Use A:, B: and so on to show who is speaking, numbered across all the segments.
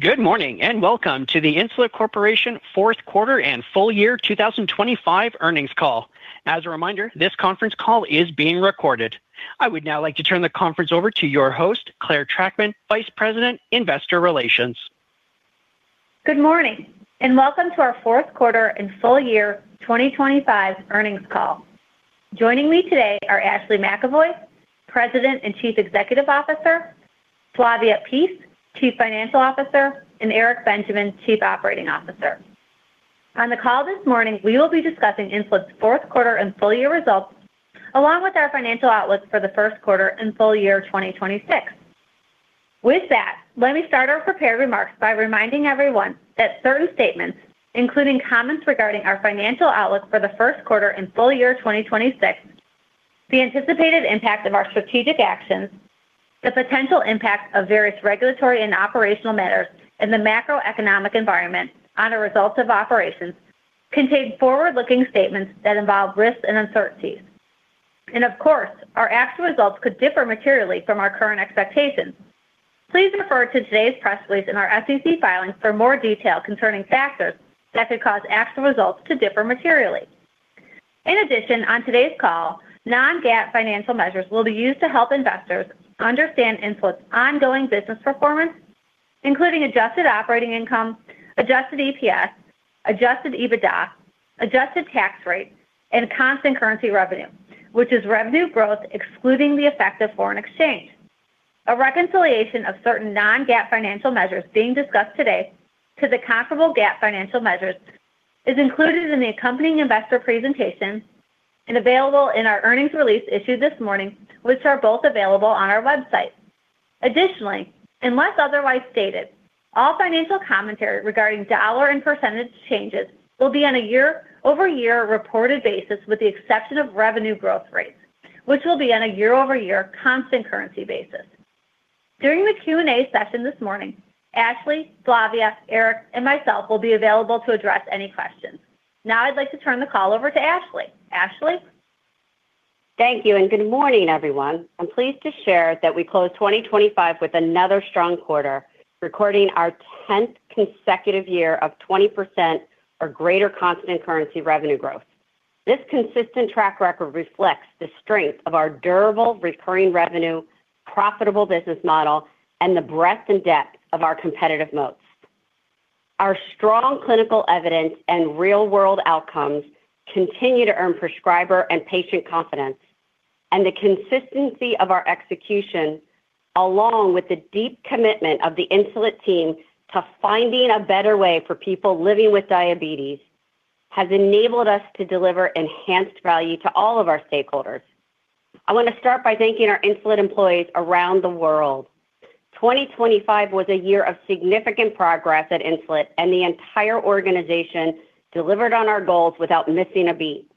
A: Good morning, and welcome to the Insulet Corporation fourth quarter and full year 2025 earnings call. As a reminder, this conference call is being recorded. I would now like to turn the conference over to your host, Clare Trachtman, Vice President, Investor Relations.
B: Good morning, and welcome to our fourth quarter and full year 2025 earnings call. Joining me today are Ashley McEvoy, President and Chief Executive Officer, Flavia Pease, Chief Financial Officer, and Eric Benjamin, Chief Operating Officer. On the call this morning, we will be discussing Insulet's fourth quarter and full year results, along with our financial outlook for the first quarter and full year 2026. With that, let me start our prepared remarks by reminding everyone that certain statements, including comments regarding our financial outlook for the first quarter and full year 2026, the anticipated impact of our strategic actions, the potential impact of various regulatory and operational matters, and the macroeconomic environment on our results of operations, contain forward-looking statements that involve risks and uncertainties. And of course, our actual results could differ materially from our current expectations. Please refer to today's press release and our SEC filings for more detail concerning factors that could cause actual results to differ materially. In addition, on today's call, non-GAAP financial measures will be used to help investors understand Insulet's ongoing business performance, including adjusted operating income, adjusted EPS, adjusted EBITDA, adjusted tax rate, and constant currency revenue, which is revenue growth excluding the effect of foreign exchange. A reconciliation of certain non-GAAP financial measures being discussed today to the comparable GAAP financial measures is included in the accompanying investor presentation and available in our earnings release issued this morning, which are both available on our website. Additionally, unless otherwise stated, all financial commentary regarding dollar and percentage changes will be on a year-over-year reported basis, with the exception of revenue growth rates, which will be on a year-over-year constant currency basis. During the Q&A session this morning, Ashley, Flavia, Eric, and myself will be available to address any questions. Now, I'd like to turn the call over to Ashley. Ashley?
C: Thank you, and good morning, everyone. I'm pleased to share that we closed 2025 with another strong quarter, recording our 10th consecutive year of 20% or greater constant currency revenue growth. This consistent track record reflects the strength of our durable, recurring revenue, profitable business model, and the breadth and depth of our competitive moats. Our strong clinical evidence and real-world outcomes continue to earn prescriber and patient confidence, and the consistency of our execution, along with the deep commitment of the Insulet team to finding a better way for people living with diabetes, has enabled us to deliver enhanced value to all of our stakeholders. I want to start by thanking our Insulet employees around the world. 2025 was a year of significant progress at Insulet, and the entire organization delivered on our goals without missing a beat.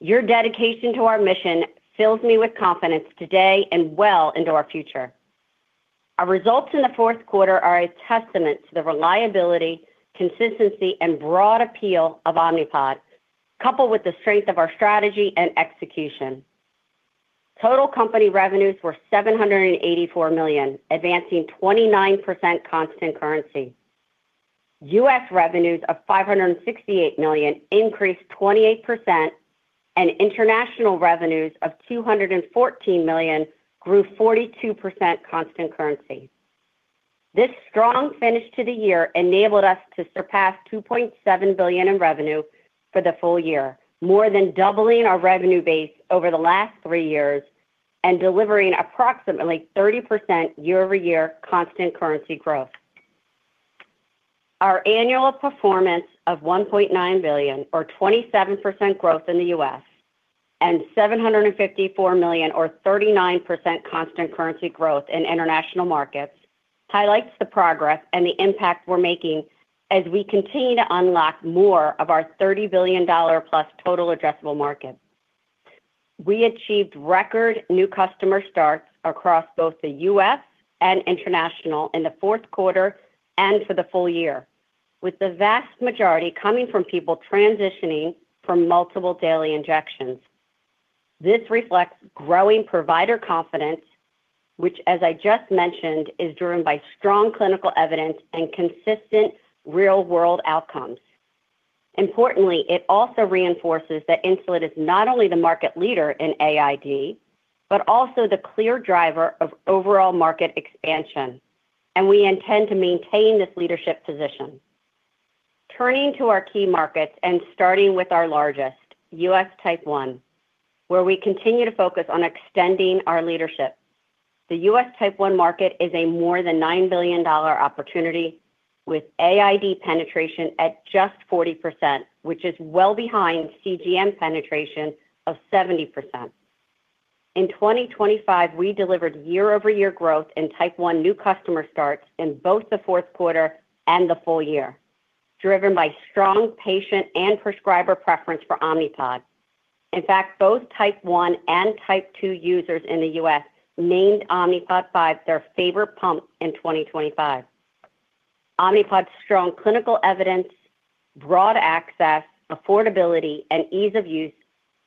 C: Your dedication to our mission fills me with confidence today and well into our future. Our results in the fourth quarter are a testament to the reliability, consistency, and broad appeal of Omnipod, coupled with the strength of our strategy and execution. Total company revenues were $784 million, advancing 29% constant currency. U.S. revenues of $568 million increased 28%, and international revenues of $214 million grew 42% constant currency. This strong finish to the year enabled us to surpass $2.7 billion in revenue for the full year, more than doubling our revenue base over the last three years and delivering approximately 30% year-over-year constant currency growth. Our annual performance of $1.9 billion, or 27% growth in the U.S., and $754 million or 39% constant currency growth in international markets, highlights the progress and the impact we're making as we continue to unlock more of our $30 billion-plus total addressable market. We achieved record new customer starts across both the U.S. and international in the fourth quarter and for the full year, with the vast majority coming from people transitioning from multiple daily injections. This reflects growing provider confidence, which, as I just mentioned, is driven by strong clinical evidence and consistent real-world outcomes. Importantly, it also reinforces that Insulet is not only the market leader in AID, but also the clear driver of overall market expansion, and we intend to maintain this leadership position. Turning to our key markets and starting with our largest, U.S. Type 1, where we continue to focus on extending our leadership. The U.S. Type 1 market is a more than $9 billion opportunity, with AID penetration at just 40%, which is well behind CGM penetration of 70%. In 2025, we delivered year-over-year growth in Type 1 new customer starts in both the fourth quarter and the full year, driven by strong patient and prescriber preference for Omnipod. In fact, both Type 1 and Type 2 users in the U.S. named Omnipod 5 their favorite pump in 2025. Omnipod's strong clinical evidence. Broad access, affordability, and ease of use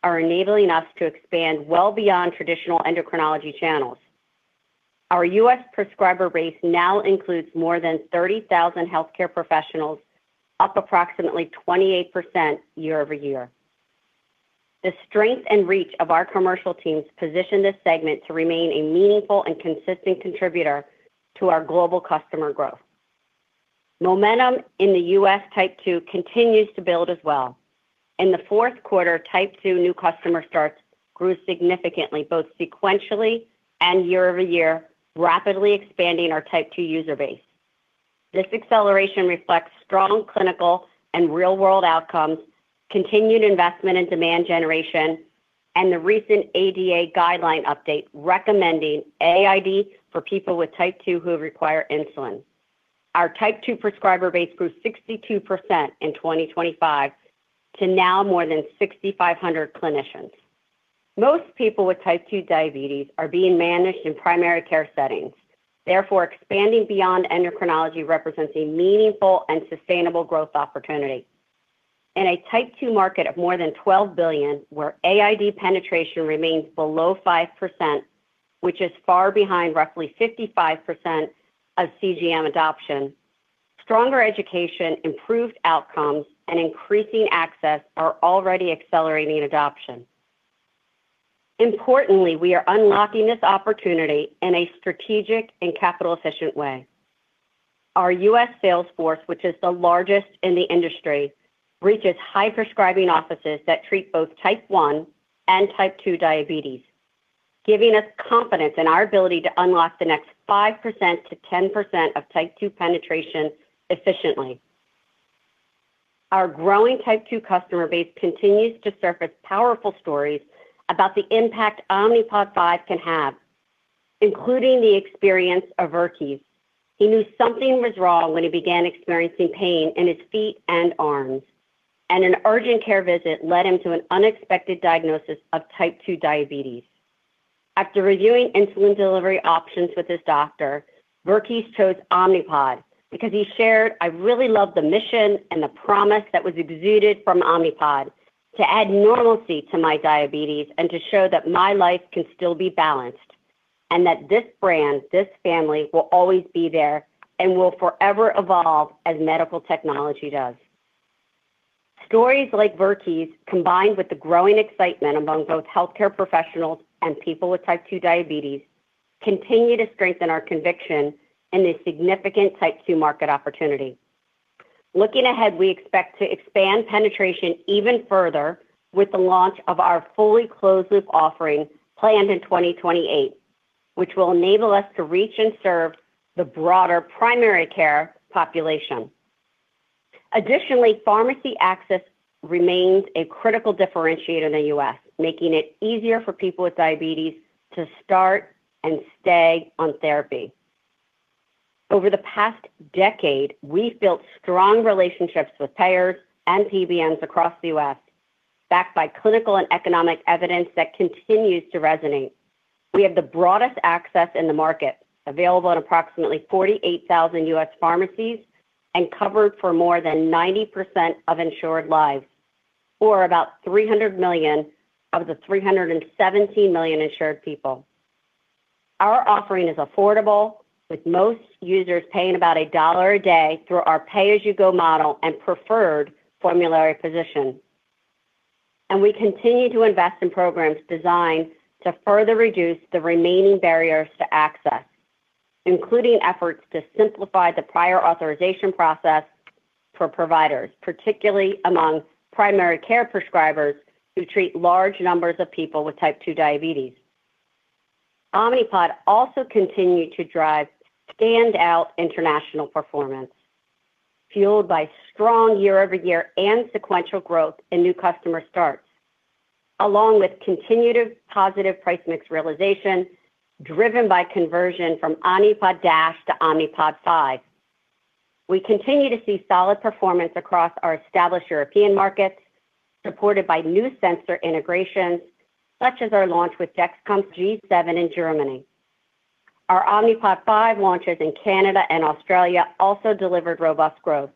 C: are enabling us to expand well beyond traditional endocrinology channels. Our U.S. prescriber base now includes more than 30,000 healthcare professionals, up approximately 28% year-over-year. The strength and reach of our commercial teams position this segment to remain a meaningful and consistent contributor to our global customer growth. Momentum in the U.S. Type 2 continues to build as well. In the fourth quarter, Type 2 new customer starts grew significantly, both sequentially and year-over-year, rapidly expanding our Type 2 user base. This acceleration reflects strong clinical and real-world outcomes, continued investment in demand generation, and the recent ADA guideline update, recommending AID for people with Type 2 who require insulin. Our Type 2 prescriber base grew 62% in 2025 to now more than 6,500 clinicians. Most people with Type 2 diabetes are being managed in primary care settings. Therefore, expanding beyond endocrinology represents a meaningful and sustainable growth opportunity. In a Type 2 market of more than $12 billion, where AID penetration remains below 5%, which is far behind roughly 55% of CGM adoption, stronger education, improved outcomes, and increasing access are already accelerating adoption. Importantly, we are unlocking this opportunity in a strategic and capital-efficient way. Our U.S. sales force, which is the largest in the industry, reaches high prescribing offices that treat both Type 1 and Type 2 diabetes, giving us confidence in our ability to unlock the next 5%-10% of Type 2 penetration efficiently. Our growing Type 2 customer base continues to surface powerful stories about the impact Omnipod 5 can have, including the experience of Vikas. He knew something was wrong when he began experiencing pain in his feet and arms, and an urgent care visit led him to an unexpected diagnosis of Type 2 diabetes. After reviewing insulin delivery options with his doctor, Vikas chose Omnipod because he shared, "I really love the mission and the promise that was exuded from Omnipod to add normalcy to my diabetes and to show that my life can still be balanced, and that this brand, this family, will always be there and will forever evolve as medical technology does." Stories like Vikas, combined with the growing excitement among both healthcare professionals and people with Type 2 diabetes, continue to strengthen our conviction in this significant Type 2 market opportunity. Looking ahead, we expect to expand penetration even further with the launch of our fully closed loop offering planned in 2028, which will enable us to reach and serve the broader primary care population. Additionally, pharmacy access remains a critical differentiator in the U.S., making it easier for people with diabetes to start and stay on therapy. Over the past decade, we've built strong relationships with payers and PBMs across the U.S., backed by clinical and economic evidence that continues to resonate. We have the broadest access in the market, available in approximately 48,000 U.S. pharmacies and covered for more than 90% of insured lives, or about 300 million of the 317 million insured people. Our offering is affordable, with most users paying about $1 a day through our pay-as-you-go model and preferred formulary position. We continue to invest in programs designed to further reduce the remaining barriers to access, including efforts to simplify the prior authorization process for providers, particularly among primary care prescribers who treat large numbers of people with Type 2 diabetes. Omnipod also continued to drive standout international performance, fueled by strong year-over-year and sequential growth in new customer starts, along with continued positive price mix realization, driven by conversion from Omnipod DASH to Omnipod 5. We continue to see solid performance across our established European markets, supported by new sensor integrations, such as our launch with Dexcom G7 in Germany. Our Omnipod 5 launches in Canada and Australia also delivered robust growth.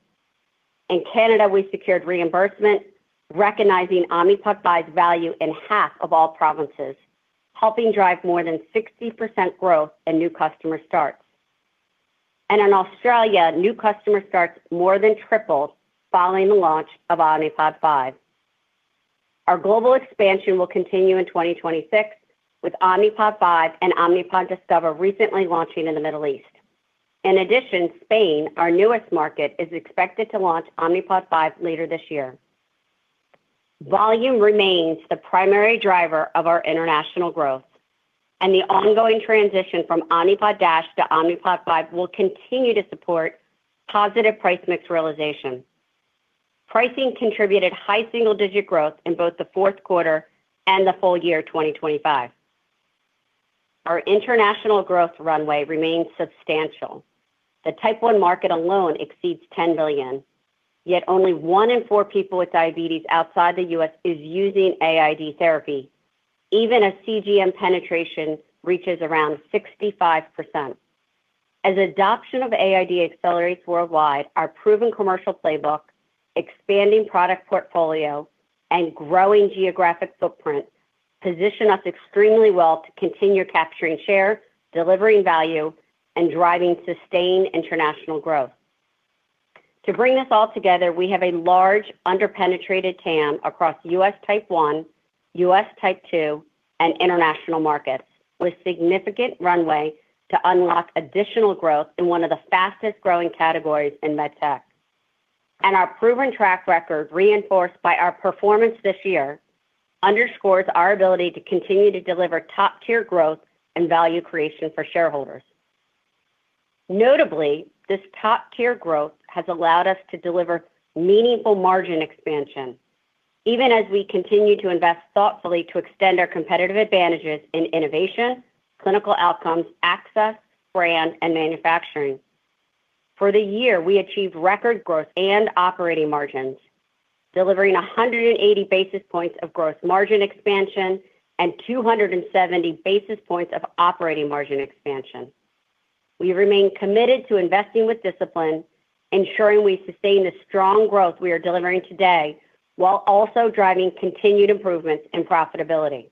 C: In Canada, we secured reimbursement, recognizing Omnipod 5's value in half of all provinces, helping drive more than 60% growth in new customer starts. And in Australia, new customer starts more than tripled following the launch of Omnipod 5. Our global expansion will continue in 2026, with Omnipod 5 and Omnipod Discover recently launching in the Middle East. In addition, Spain, our newest market, is expected to launch Omnipod 5 later this year. Volume remains the primary driver of our international growth, and the ongoing transition from Omnipod DASH to Omnipod 5 will continue to support positive price mix realization. Pricing contributed high single-digit growth in both the fourth quarter and the full year 2025. Our international growth runway remains substantial. The Type 1 market alone exceeds $10 billion, yet only one in four people with diabetes outside the U.S. is using AID therapy, even as CGM penetration reaches around 65%. As adoption of AID accelerates worldwide, our proven commercial playbook, expanding product portfolio, and growing geographic footprint position us extremely well to continue capturing share, delivering value, and driving sustained international growth. To bring this all together, we have a large, under-penetrated TAM across U.S. Type 1, U.S. Type 2, and international markets, with significant runway to unlock additional growth in one of the fastest-growing categories in med tech. Our proven track record, reinforced by our performance this year, underscores our ability to continue to deliver top-tier growth and value creation for shareholders. Notably, this top-tier growth has allowed us to deliver meaningful margin expansion, even as we continue to invest thoughtfully to extend our competitive advantages in innovation, clinical outcomes, access, brand, and manufacturing. For the year, we achieved record growth and operating margins, delivering 180 basis points of gross margin expansion and 270 basis points of operating margin expansion. We remain committed to investing with discipline, ensuring we sustain the strong growth we are delivering today, while also driving continued improvements in profitability.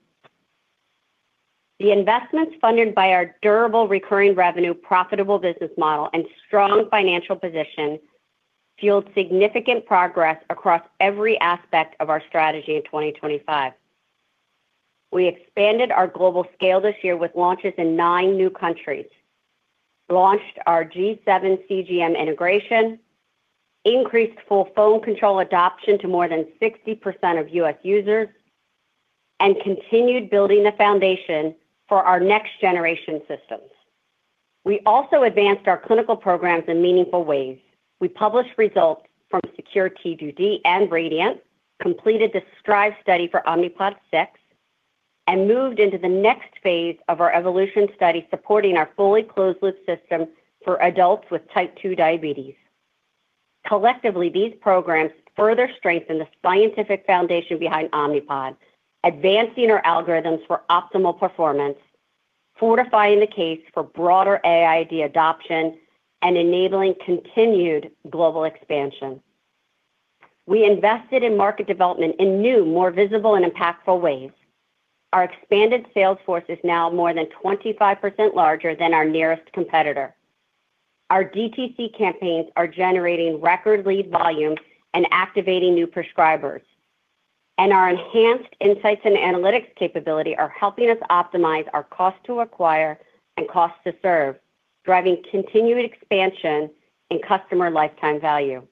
C: The investments funded by our durable, recurring revenue, profitable business model, and strong financial position fueled significant progress across every aspect of our strategy in 2025. We expanded our global scale this year with launches in 9 new countries, launched our G7 CGM integration, increased full phone control adoption to more than 60% of U.S. users, and continued building the foundation for our next generation systems. We also advanced our clinical programs in meaningful ways. We published results from SECURE-T2D and RADIANT, completed the Strive study for Omnipod 6, and moved into the next phase of our Evolution study, supporting our fully closed loop system for adults with Type 2 diabetes. Collectively, these programs further strengthen the scientific foundation behind Omnipod, advancing our algorithms for optimal performance, fortifying the case for broader AID adoption, and enabling continued global expansion. We invested in market development in new, more visible and impactful ways. Our expanded sales force is now more than 25% larger than our nearest competitor. Our DTC campaigns are generating record lead volume and activating new prescribers. Our enhanced insights and analytics capability are helping us optimize our cost to acquire and cost to serve, driving continued expansion in customer lifetime value.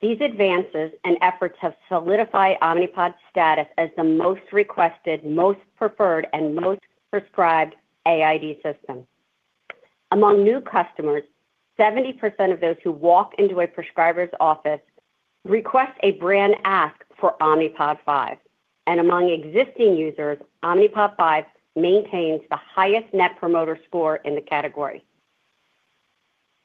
C: These advances and efforts have solidified Omnipod's status as the most requested, most preferred, and most prescribed AID system. Among new customers, 70% of those who walk into a prescriber's office request a brand ask for Omnipod 5, and among existing users, Omnipod 5 maintains the highest net promoter score in the category.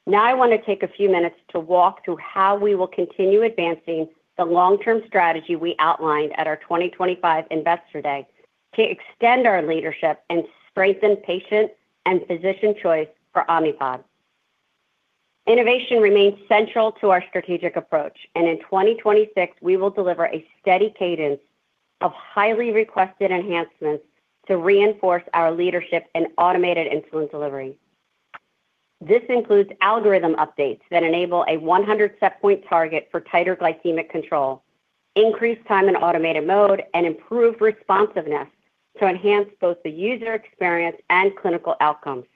C: Now, I want to take a few minutes to walk through how we will continue advancing the long-term strategy we outlined at our 2025 Investor Day to extend our leadership and strengthen patient and physician choice for Omnipod. Innovation remains central to our strategic approach, and in 2026, we will deliver a steady cadence of highly requested enhancements to reinforce our leadership in automated insulin delivery. This includes algorithm updates that enable a 100 set point target for tighter glycemic control, increased time in automated mode, and improved responsiveness to enhance both the user experience and clinical outcomes.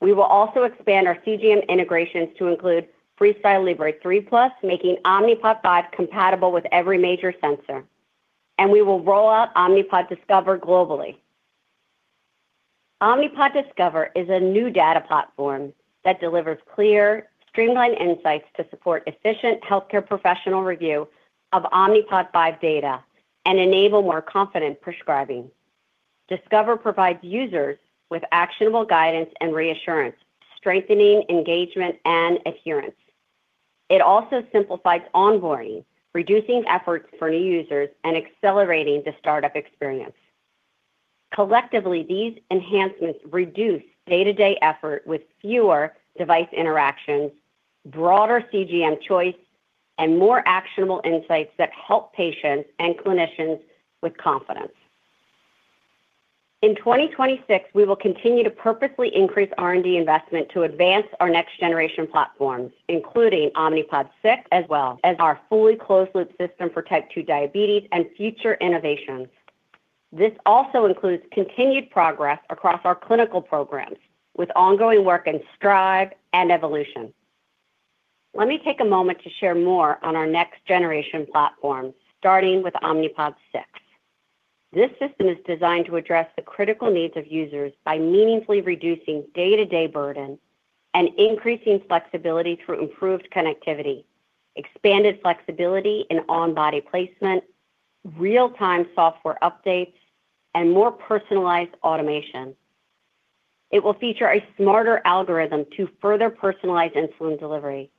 C: We will also expand our CGM integrations to include FreeStyle Libre 3 Plus, making Omnipod 5 compatible with every major sensor, and we will roll out Omnipod Discover globally. Omnipod Discover is a new data platform that delivers clear, streamlined insights to support efficient healthcare professional review of Omnipod 5 data and enable more confident prescribing. Discover provides users with actionable guidance and reassurance, strengthening engagement and adherence. It also simplifies onboarding, reducing efforts for new users, and accelerating the startup experience. Collectively, these enhancements reduce day-to-day effort with fewer device interactions, broader CGM choice, and more actionable insights that help patients and clinicians with confidence. In 2026, we will continue to purposely increase R&D investment to advance our next generation platforms, including Omnipod 6, as well as our fully closed loop system for Type 2 diabetes and future innovations. This also includes continued progress across our clinical programs, with ongoing work in Strive and Evolution. Let me take a moment to share more on our next generation platform, starting with Omnipod 6. This system is designed to address the critical needs of users by meaningfully reducing day-to-day burden and increasing flexibility through improved connectivity, expanded flexibility in on-body placement, real-time software updates, and more personalized automation. It will feature a smarter algorithm to further personalize insulin delivery,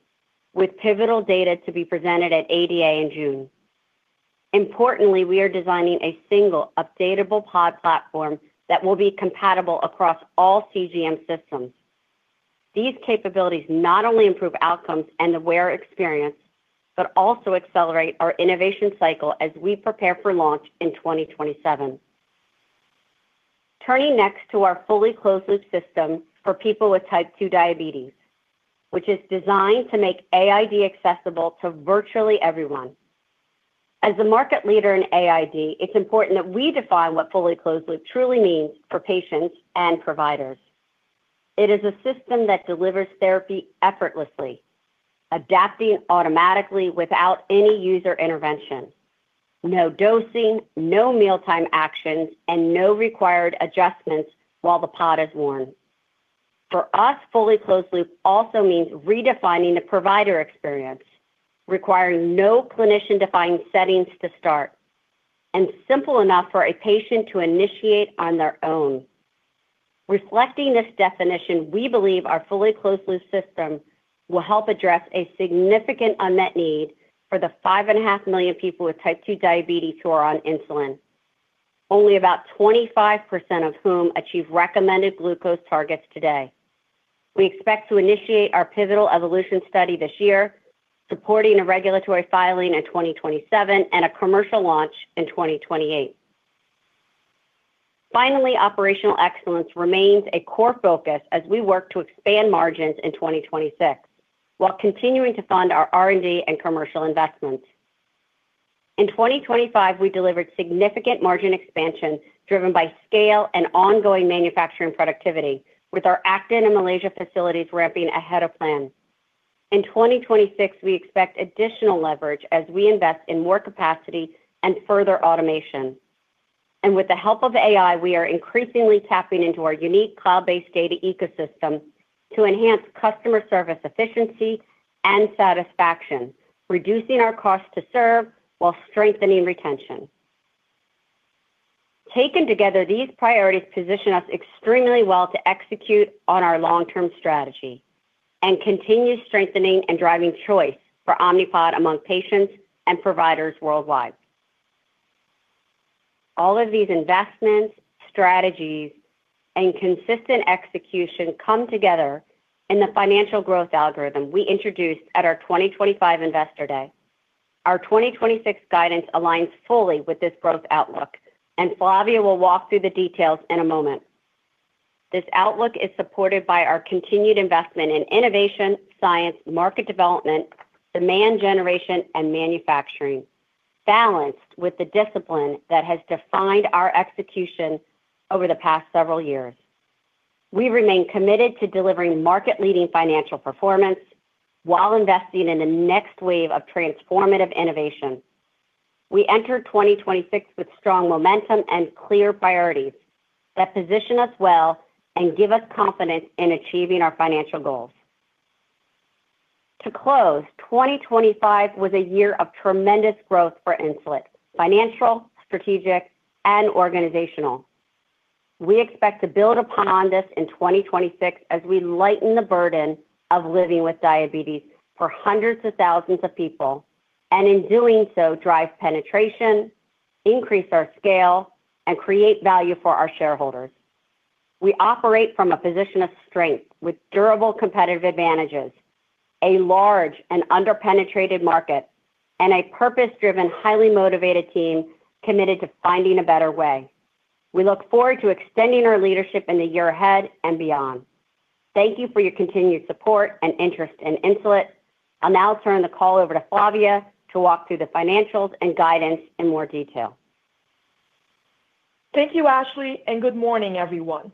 C: with pivotal data to be presented at ADA in June. Importantly, we are designing a single updatable pod platform that will be compatible across all CGM systems. These capabilities not only improve outcomes and the wear experience, but also accelerate our innovation cycle as we prepare for launch in 2027. Turning next to our fully closed loop system for people with Type 2 diabetes, which is designed to make AID accessible to virtually everyone. As a market leader in AID, it's important that we define what fully closed loop truly means for patients and providers. It is a system that delivers therapy effortlessly, adapting automatically without any user intervention, no dosing, no mealtime actions, and no required adjustments while the pod is worn. For us, fully closed loop also means redefining the provider experience, requiring no clinician-defined settings to start, and simple enough for a patient to initiate on their own. Reflecting this definition, we believe our fully closed loop system will help address a significant unmet need for the 5.5 million people with Type 2 Diabetes who are on insulin, only about 25% of whom achieve recommended glucose targets today. We expect to initiate our pivotal Evolution study this year, supporting a regulatory filing in 2027 and a commercial launch in 2028. Finally, operational excellence remains a core focus as we work to expand margins in 2026, while continuing to fund our R&D and commercial investments. In 2025, we delivered significant margin expansion, driven by scale and ongoing manufacturing productivity, with our Acton and Malaysia facilities ramping ahead of plan. In 2026, we expect additional leverage as we invest in more capacity and further automation. With the help of AI, we are increasingly tapping into our unique cloud-based data ecosystem to enhance customer service efficiency and satisfaction, reducing our cost to serve while strengthening retention. Taken together, these priorities position us extremely well to execute on our long-term strategy and continue strengthening and driving choice for Omnipod among patients and providers worldwide. All of these investments, strategies, and consistent execution come together in the financial growth algorithm we introduced at our 2025 Investor Day. Our 2026 guidance aligns fully with this growth outlook, and Flavia will walk through the details in a moment. This outlook is supported by our continued investment in innovation, science, market development, demand generation, and manufacturing, balanced with the discipline that has defined our execution over the past several years. We remain committed to delivering market-leading financial performance while investing in the next wave of transformative innovation. We entered 2026 with strong momentum and clear priorities that position us well and give us confidence in achieving our financial goals. To close, 2025 was a year of tremendous growth for Insulet, financial, strategic, and organizational. We expect to build upon this in 2026 as we lighten the burden of living with diabetes for hundreds of thousands of people, and in doing so, drive penetration, increase our scale, and create value for our shareholders. We operate from a position of strength with durable competitive advantages, a large and underpenetrated market, and a purpose-driven, highly motivated team committed to finding a better way. We look forward to extending our leadership in the year ahead and beyond. Thank you for your continued support and interest in Insulet. I'll now turn the call over to Flavia to walk through the financials and guidance in more detail.
D: Thank you, Ashley, and good morning, everyone.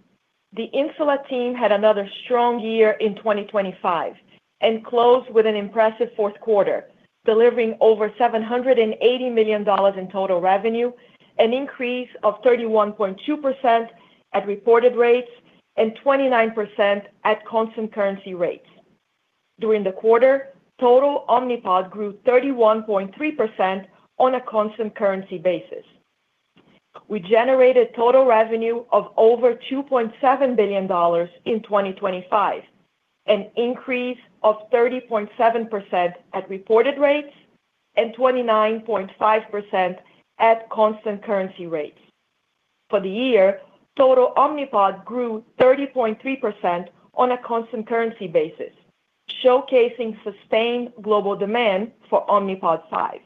D: The Insulet team had another strong year in 2025 and closed with an impressive fourth quarter, delivering over $780 million in total revenue, an increase of 31.2% at reported rates and 29% at constant currency rates. During the quarter, total Omnipod grew 31.3% on a constant currency basis. We generated total revenue of over $2.7 billion in 2025, an increase of 30.7% at reported rates and 29.5% at constant currency rates. For the year, total Omnipod grew 30.3% on a constant currency basis, showcasing sustained global demand for Omnipod 5.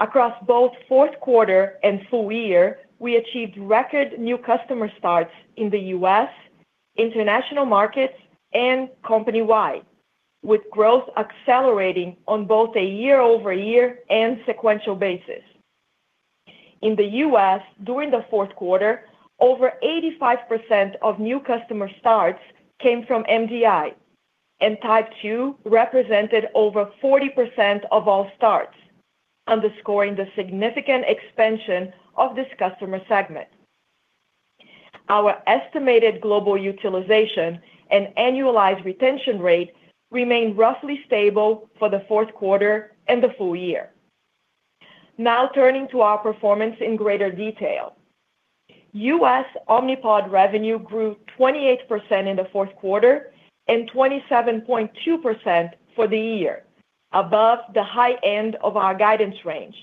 D: Across both fourth quarter and full year, we achieved record new customer starts in the U.S., international markets, and company-wide, with growth accelerating on both a year-over-year and sequential basis. In the U.S., during the fourth quarter, over 85% of new customer starts came from MDI, and Type 2 represented over 40% of all starts, underscoring the significant expansion of this customer segment. Our estimated global utilization and annualized retention rate remained roughly stable for the fourth quarter and the full year. Now, turning to our performance in greater detail. U.S. Omnipod revenue grew 28% in the fourth quarter and 27.2% for the year, above the high end of our guidance range,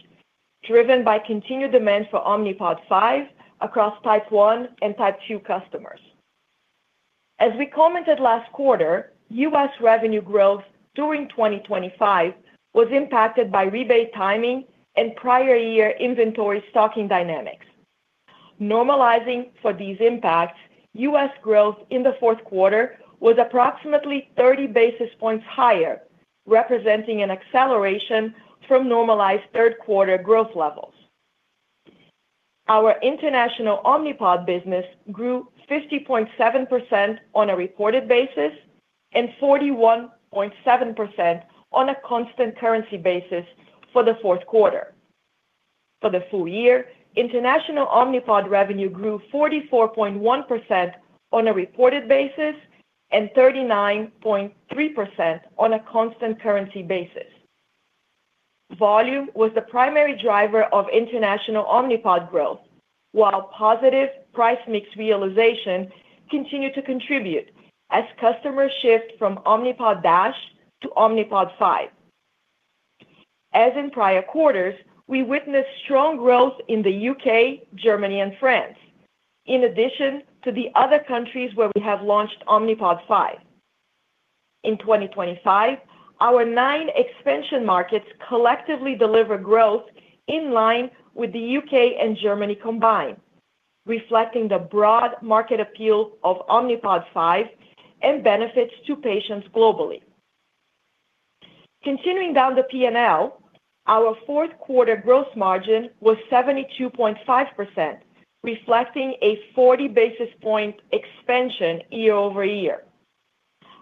D: driven by continued demand for Omnipod 5 across Type 1 and Type 2 customers. As we commented last quarter, U.S. revenue growth during 2025 was impacted by rebate timing and prior year inventory stocking dynamics. Normalizing for these impacts, U.S. growth in the fourth quarter was approximately 30 basis points higher, representing an acceleration from normalized third quarter growth levels. Our international Omnipod business grew 50.7% on a reported basis and 41.7% on a constant currency basis for the fourth quarter. For the full year, international Omnipod revenue grew 44.1% on a reported basis and 39.3% on a constant currency basis. Volume was the primary driver of international Omnipod growth, while positive price mix realization continued to contribute as customers shift from Omnipod DASH to Omnipod 5. As in prior quarters, we witnessed strong growth in the U.K., Germany, and France, in addition to the other countries where we have launched Omnipod 5. In 2025, our 9 expansion markets collectively delivered growth in line with the U.K. and Germany combined, reflecting the broad market appeal of Omnipod 5 and benefits to patients globally. Continuing down the P&L, our fourth quarter gross margin was 72.5%, reflecting a 40 basis point expansion year-over-year.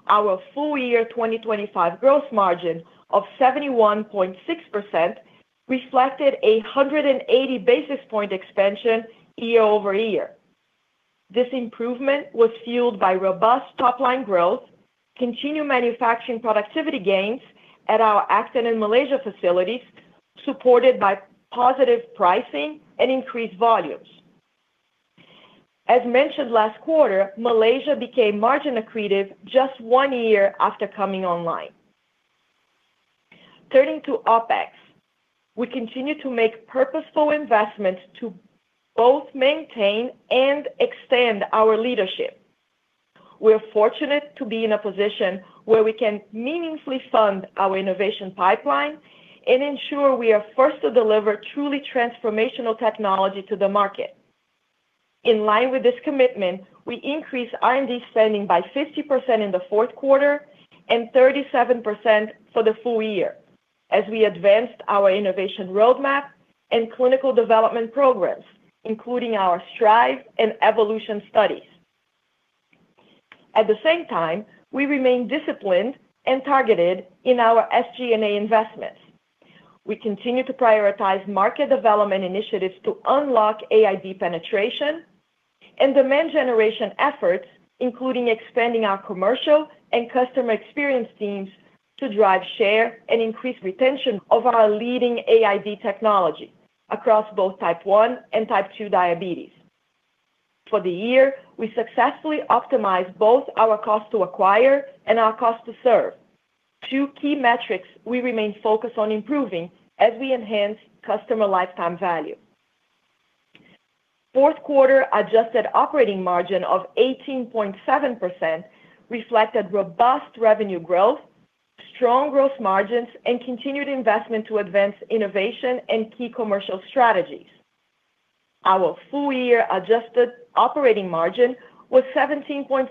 D: Our full year 2025 gross margin of 71.6% reflected a 180 basis point expansion year-over-year. This improvement was fueled by robust top-line growth, continued manufacturing productivity gains at our Acton and Malaysia facilities, supported by positive pricing and increased volumes. As mentioned last quarter, Malaysia became margin accretive just 1 year after coming online. Turning to OpEx, we continue to make purposeful investments to both maintain and extend our leadership. We are fortunate to be in a position where we can meaningfully fund our innovation pipeline and ensure we are first to deliver truly transformational technology to the market. In line with this commitment, we increased R&D spending by 50% in the fourth quarter and 37% for the full year, as we advanced our innovation roadmap and clinical development programs, including our Strive and Evolution studies. At the same time, we remain disciplined and targeted in our SG&A investments. We continue to prioritize market development initiatives to unlock AID penetration and demand generation efforts, including expanding our commercial and customer experience teams to drive share and increase retention of our leading AID technology across both Type 1 and Type 2 diabetes. For the year, we successfully optimized both our cost to acquire and our cost to serve, two key metrics we remain focused on improving as we enhance customer lifetime value. Fourth quarter adjusted operating margin of 18.7% reflected robust revenue growth, strong gross margins, and continued investment to advance innovation and key commercial strategies. Our full year adjusted operating margin was 17.6%,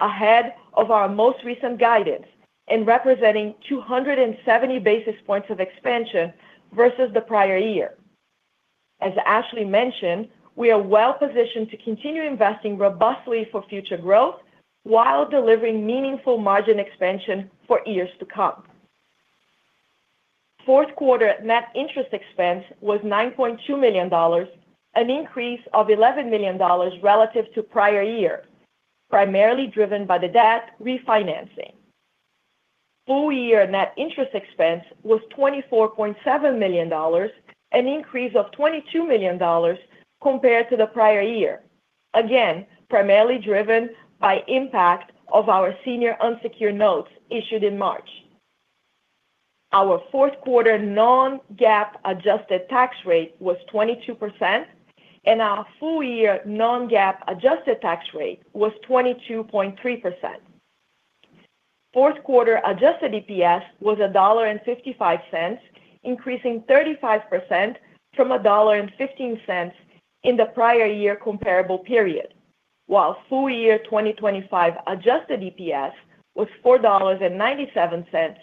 D: ahead of our most recent guidance and representing 270 basis points of expansion versus the prior year. As Ashley mentioned, we are well positioned to continue investing robustly for future growth while delivering meaningful margin expansion for years to come. Fourth quarter net interest expense was $9.2 million, an increase of $11 million relative to prior year, primarily driven by the debt refinancing. Full year net interest expense was $24.7 million, an increase of $22 million compared to the prior year. Again, primarily driven by impact of our senior unsecured notes issued in March. Our fourth quarter non-GAAP adjusted tax rate was 22%, and our full year non-GAAP adjusted tax rate was 22.3%. Fourth quarter adjusted EPS was $1.55, increasing 35% from $1.15 in the prior year comparable period, while full year 2025 adjusted EPS was $4.97,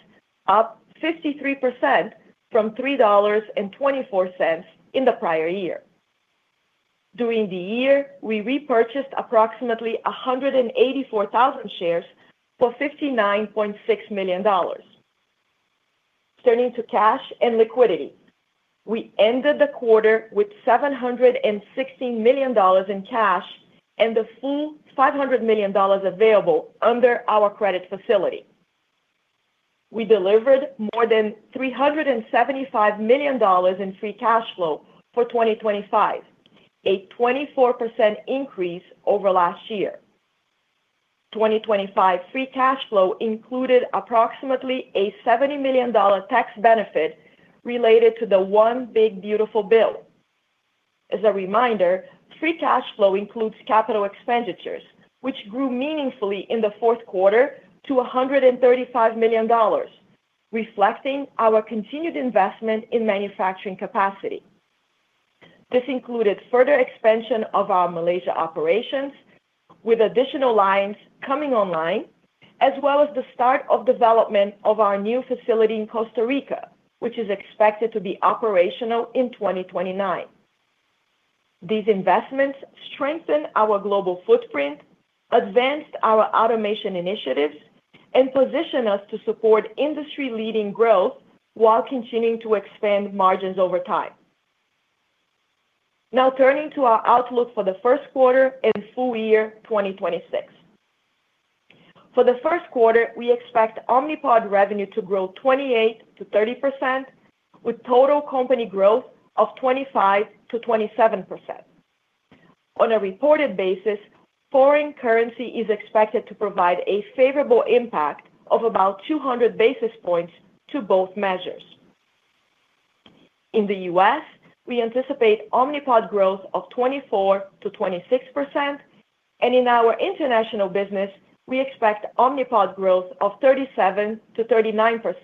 D: up 53% from $3.24 in the prior year. During the year, we repurchased approximately 184,000 shares for $59.6 million. Turning to cash and liquidity, we ended the quarter with $760 million in cash and the full $500 million available under our credit facility. We delivered more than $375 million in free cash flow for 2025, a 24% increase over last year. 2025 free cash flow included approximately a $70 million tax benefit related to the Omnibus Bill. As a reminder, free cash flow includes capital expenditures, which grew meaningfully in the fourth quarter to $135 million, reflecting our continued investment in manufacturing capacity. This included further expansion of our Malaysia operations, with additional lines coming online, as well as the start of development of our new facility in Costa Rica, which is expected to be operational in 2029. These investments strengthen our global footprint, advanced our automation initiatives, and position us to support industry-leading growth while continuing to expand margins over time. Now, turning to our outlook for the first quarter and full year 2026. For the first quarter, we expect Omnipod revenue to grow 28%-30%, with total company growth of 25%-27%. On a reported basis, foreign currency is expected to provide a favorable impact of about 200 basis points to both measures. In the U.S., we anticipate Omnipod growth of 24%-26%, and in our international business, we expect Omnipod growth of 37%-39%.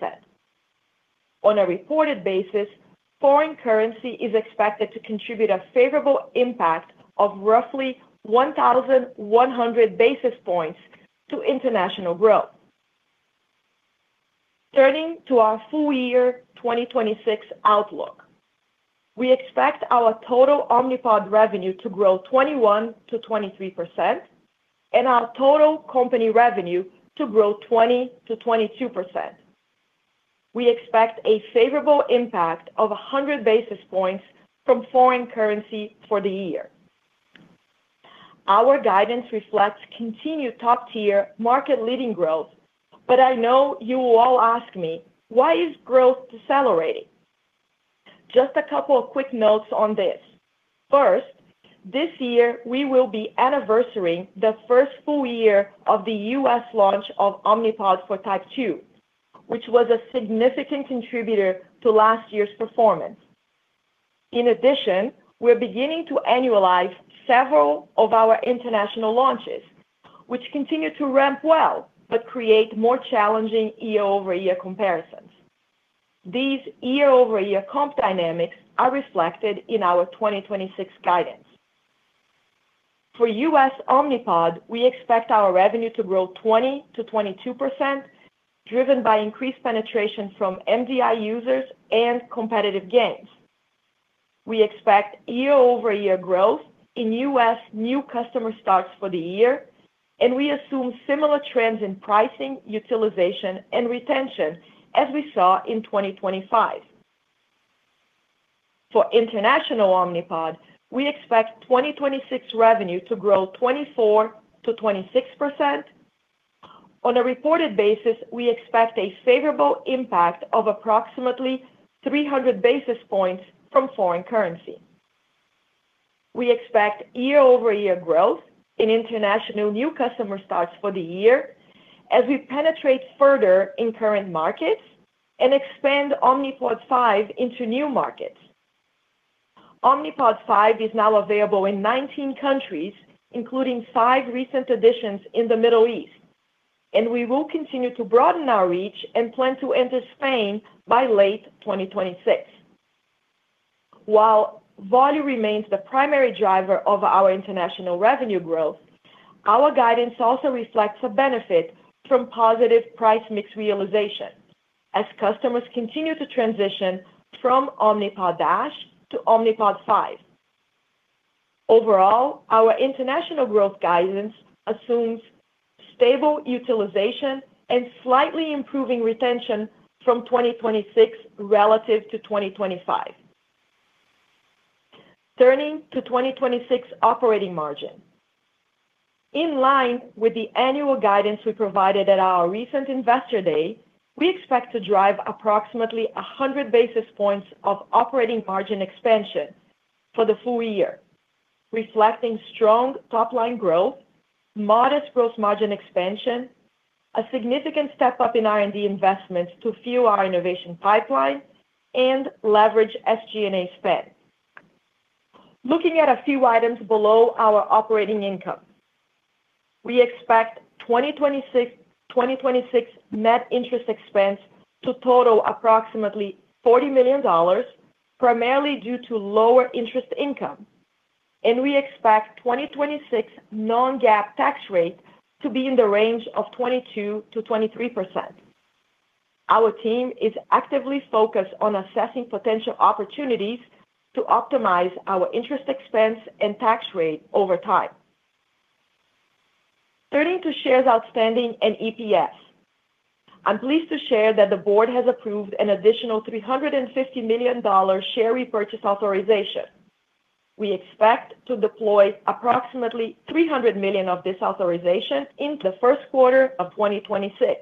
D: On a reported basis, foreign currency is expected to contribute a favorable impact of roughly 1,100 basis points to international growth. Turning to our full year 2026 outlook. We expect our total Omnipod revenue to grow 21%-23% and our total company revenue to grow 20%-22%. We expect a favorable impact of 100 basis points from foreign currency for the year. Our guidance reflects continued top-tier market-leading growth, but I know you will all ask me, "Why is growth decelerating?" Just a couple of quick notes on this. First, this year, we will be anniversarying the first full year of the U.S. launch of Omnipod for Type 2, which was a significant contributor to last year's performance. In addition, we're beginning to annualize several of our international launches, which continue to ramp well but create more challenging year-over-year comparisons. These year-over-year comp dynamics are reflected in our 2026 guidance. For U.S. Omnipod, we expect our revenue to grow 20%-22%, driven by increased penetration from MDI users and competitive gains. We expect year-over-year growth in U.S. new customer starts for the year, and we assume similar trends in pricing, utilization, and retention as we saw in 2025. For international Omnipod, we expect 2026 revenue to grow 24%-26%. On a reported basis, we expect a favorable impact of approximately 300 basis points from foreign currency. We expect year-over-year growth in international new customer starts for the year as we penetrate further in current markets and expand Omnipod 5 into new markets. Omnipod 5 is now available in 19 countries, including 5 recent additions in the Middle East, and we will continue to broaden our reach and plan to enter Spain by late 2026. While volume remains the primary driver of our international revenue growth, our guidance also reflects a benefit from positive price mix realization as customers continue to transition from Omnipod DASH to Omnipod 5. Overall, our international growth guidance assumes stable utilization and slightly improving retention from 2026 relative to 2025. Turning to 2026 operating margin. In line with the annual guidance we provided at our recent Investor Day, we expect to drive approximately 100 basis points of operating margin expansion for the full year, reflecting strong top-line growth, modest gross margin expansion, a significant step-up in R&D investments to fuel our innovation pipeline, and leverage SG&A spend. Looking at a few items below our operating income, we expect 2026 net interest expense to total approximately $40 million, primarily due to lower interest income, and we expect 2026 non-GAAP tax rate to be in the range of 22%-23%. Our team is actively focused on assessing potential opportunities to optimize our interest expense and tax rate over time. Turning to shares outstanding and EPS. I'm pleased to share that the board has approved an additional $350 million share repurchase authorization.... We expect to deploy approximately $300 million of this authorization in the first quarter of 2026.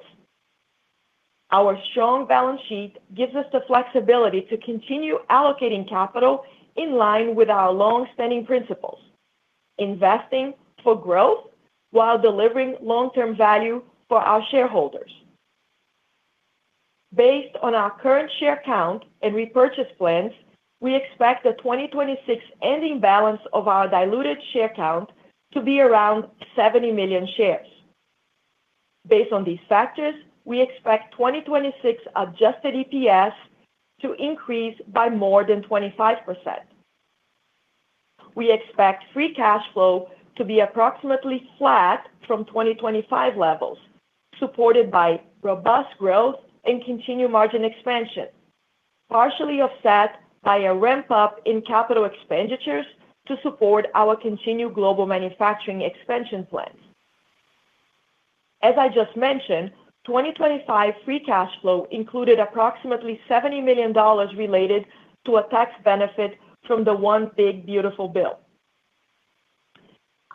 D: Our strong balance sheet gives us the flexibility to continue allocating capital in line with our long-standing principles, investing for growth while delivering long-term value for our shareholders. Based on our current share count and repurchase plans, we expect the 2026 ending balance of our diluted share count to be around 70 million shares. Based on these factors, we expect 2026 adjusted EPS to increase by more than 25%. We expect free cash flow to be approximately flat from 2025 levels, supported by robust growth and continued margin expansion, partially offset by a ramp-up in capital expenditures to support our continued global manufacturing expansion plans. As I just mentioned, 2025 free cash flow included approximately $70 million related to a tax benefit from the One Big Beautiful Bill.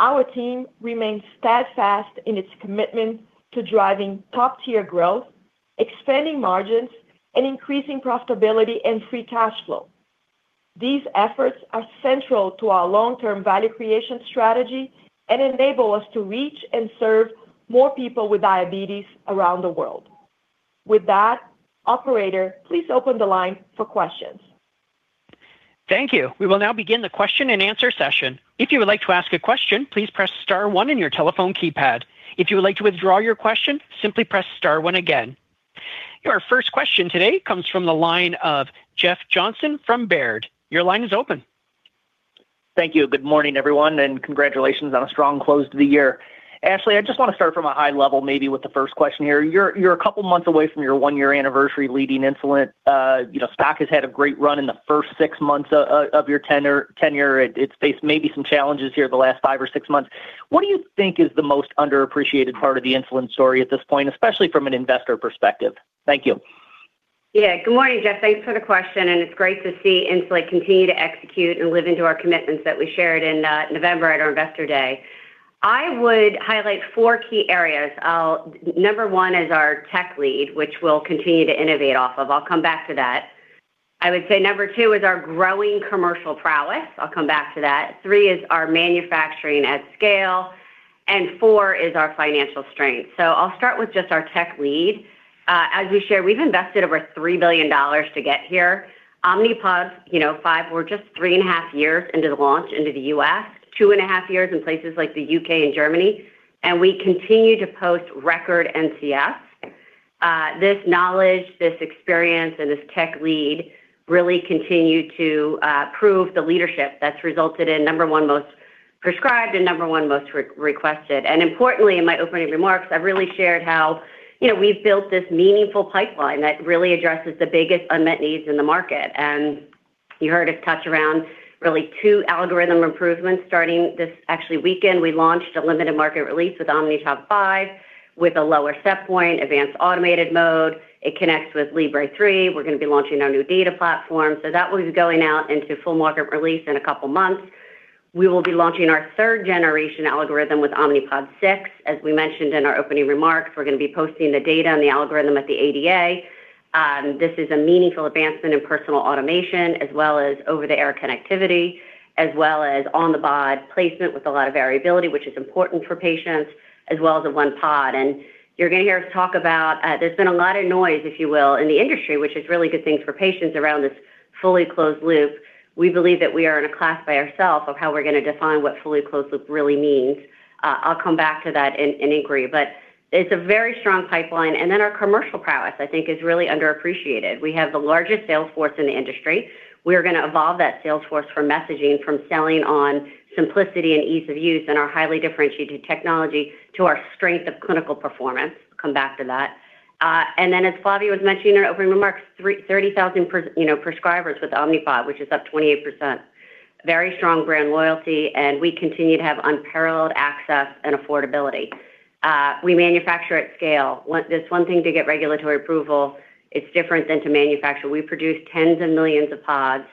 D: Our team remains steadfast in its commitment to driving top-tier growth, expanding margins and increasing profitability and free cash flow. These efforts are central to our long-term value creation strategy and enable us to reach and serve more people with diabetes around the world. With that, operator, please open the line for questions.
A: Thank you. We will now begin the question-and-answer session. If you would like to ask a question, please press star one on your telephone keypad. If you would like to withdraw your question, simply press star one again. Your first question today comes from the line of Jeff Johnson from Baird. Your line is open.
E: Thank you. Good morning, everyone, and congratulations on a strong close to the year. Ashley, I just want to start from a high level, maybe with the first question here. You're, you're a couple of months away from your one-year anniversary leading Insulet. You know, stock has had a great run in the first six months of your tenure. It's faced maybe some challenges here the last five or six months. What do you think is the most underappreciated part of the Insulet story at this point, especially from an investor perspective? Thank you.
C: Yeah. Good morning, Jeff. Thanks for the question, and it's great to see Insulet continue to execute and live into our commitments that we shared in November at our Investor Day. I would highlight four key areas. I'll number one is our tech lead, which we'll continue to innovate off of. I'll come back to that. I would say number two is our growing commercial prowess. I'll come back to that. Three is our manufacturing at scale, and four is our financial strength. So I'll start with just our tech lead. As we shared, we've invested over $3 billion to get here. Omnipod, you know, 5... We're just 3.5 years into the launch into the U.S., 2.5 years in places like the U.K. and Germany, and we continue to post record NCS. This knowledge, this experience, and this tech lead really continue to prove the leadership that's resulted in number one most prescribed and number one most re-requested. And importantly, in my opening remarks, I really shared how, you know, we've built this meaningful pipeline that really addresses the biggest unmet needs in the market. And you heard us touch around really two algorithm improvements. Starting this actually weekend, we launched a limited market release with Omnipod 5, with a lower set point, advanced automated mode. It connects with FreeStyle Libre 3. We're going to be launching our new data platform. So that will be going out into full market release in a couple of months. We will be launching our third generation algorithm with Omnipod 6. As we mentioned in our opening remarks, we're going to be posting the data on the algorithm at the ADA. This is a meaningful advancement in personal automation, as well as over-the-air connectivity, as well as on-the-body placement with a lot of variability, which is important for patients, as well as the one pod. And you're going to hear us talk about, there's been a lot of noise, if you will, in the industry, which is really good things for patients around this fully closed loop. We believe that we are in a class by ourselves of how we're going to define what fully closed loop really means. I'll come back to that in, in agree, but it's a very strong pipeline. Then our commercial prowess, I think, is really underappreciated. We have the largest sales force in the industry. We are going to evolve that sales force for messaging, from selling on simplicity and ease of use and our highly differentiated technology to our strength of clinical performance. Come back to that. And then, as Flavia was mentioning in our opening remarks, 30,000, you know, prescribers with Omnipod, which is up 28%. Very strong brand loyalty, and we continue to have unparalleled access and affordability. We manufacture at scale. It's one thing to get regulatory approval, it's different than to manufacture. We produce tens of millions of pods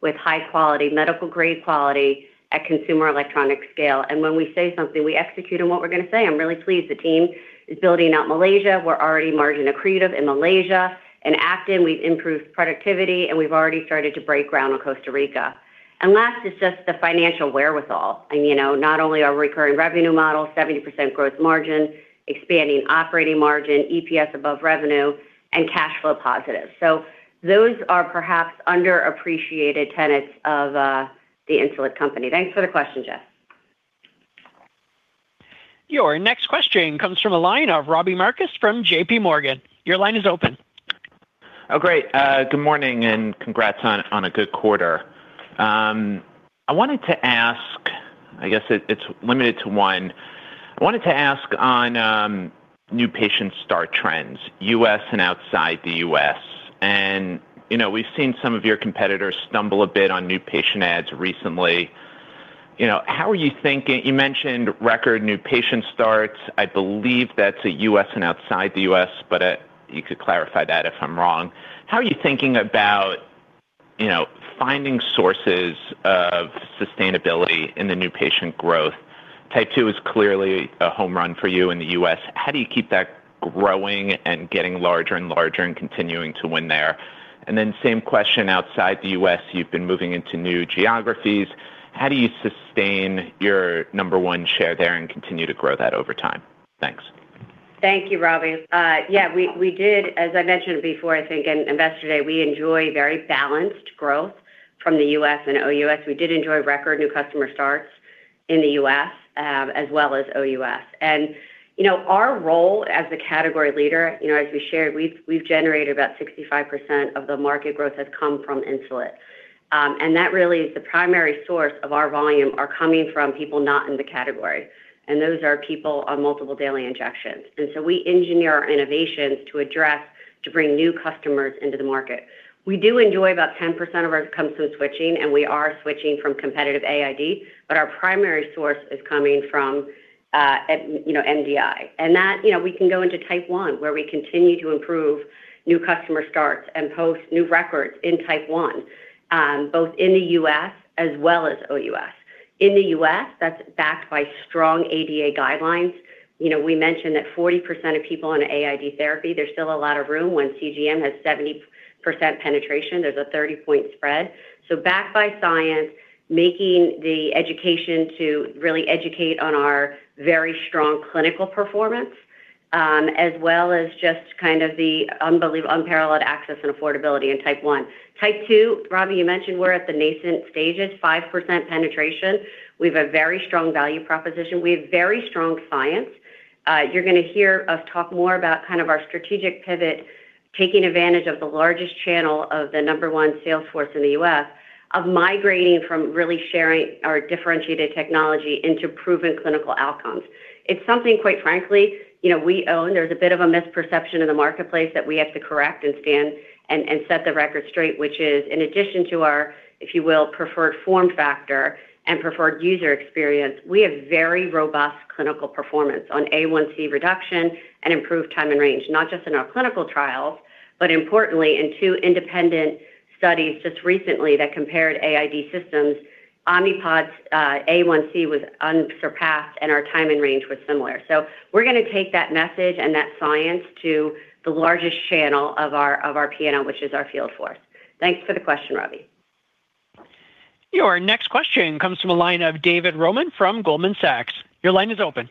C: with high quality, medical grade quality at consumer electronic scale. And when we say something, we execute on what we're going to say. I'm really pleased the team is building out Malaysia. We're already margin accretive in Malaysia. In Acton, we've improved productivity, and we've already started to break ground on Costa Rica. And last is just the financial wherewithal. And you know, not only our recurring revenue model, 70% gross margin, expanding operating margin, EPS above revenue, and cash flow positive. So those are perhaps underappreciated tenets of, the Insulet company. Thanks for the question, Jeff.
A: Your next question comes from a line of Robbie Marcus from J.P. Morgan. Your line is open.
F: Oh, great. Good morning, and congrats on a good quarter. I wanted to ask, I guess it's limited to one. I wanted to ask on new patient start trends, U.S. and outside the U.S. And, you know, we've seen some of your competitors stumble a bit on new patient ads recently. You know, how are you thinking? You mentioned record new patient starts. I believe that's a U.S. and outside the U.S., but you could clarify that if I'm wrong. How are you thinking about, you know, finding sources of sustainability in the new patient growth? Type 2 is clearly a home run for you in the U.S. How do you keep that growing and getting larger and larger and continuing to win there? And then same question outside the U.S. You've been moving into new geographies. How do you sustain your number one share there and continue to grow that over time? Thanks.
C: Thank you, Robbie. Yeah, we did as I mentioned before, I think in Investor Day, we enjoy very balanced growth from the U.S. and OUS. We did enjoy record new customer starts in the U.S., as well as OUS. And, you know, our role as the category leader, you know, as we shared, we've generated about 65% of the market growth has come from insulin. And that really is the primary source of our volume are coming from people not in the category, and those are people on multiple daily injections. And so we engineer our innovations to address, to bring new customers into the market. We do enjoy about 10% of our comes from switching, and we are switching from competitive AID, but our primary source is coming from, you know, MDI. That, you know, we can go into Type 1, where we continue to improve new customer starts and post new records in Type 1, both in the U.S. as well as OUS. In the U.S., that's backed by strong ADA guidelines. You know, we mentioned that 40% of people on AID therapy, there's still a lot of room. When CGM has 70% penetration, there's a 30-point spread. So backed by science, making the education to really educate on our very strong clinical performance, as well as just kind of the unparalleled access and affordability in Type 1. Type 2, Robbie, you mentioned we're at the nascent stages, 5% penetration. We have a very strong value proposition. We have very strong science. You're going to hear us talk more about kind of our strategic pivot, taking advantage of the largest channel of the number one sales force in the U.S., of migrating from really sharing our differentiated technology into proven clinical outcomes. It's something, quite frankly, you know, we own. There's a bit of a misperception in the marketplace that we have to correct and stand and, and set the record straight, which is in addition to our, if you will, preferred form factor and preferred user experience, we have very robust clinical performance on A1C reduction and improved time in range, not just in our clinical trials, but importantly, in two independent studies just recently that compared AID systems, Omnipod's A1C was unsurpassed, and our time in range was similar. So we're going to take that message and that science to the largest channel of our payor, which is our field force. Thanks for the question, Robbie.
A: Your next question comes from a line of David Roman from Goldman Sachs. Your line is open.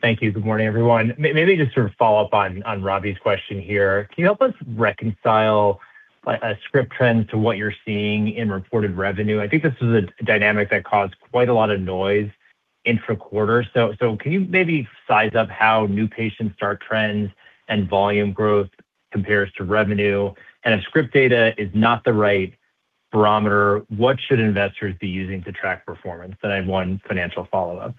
G: Thank you. Good morning, everyone. Maybe just to follow up on Robbie's question here. Can you help us reconcile, like, a script trend to what you're seeing in reported revenue? I think this is a dynamic that caused quite a lot of noise intra-quarter. So can you maybe size up how new patient start trends and volume growth compares to revenue? And if script data is not the right barometer, what should investors be using to track performance? Then I have one financial follow-up.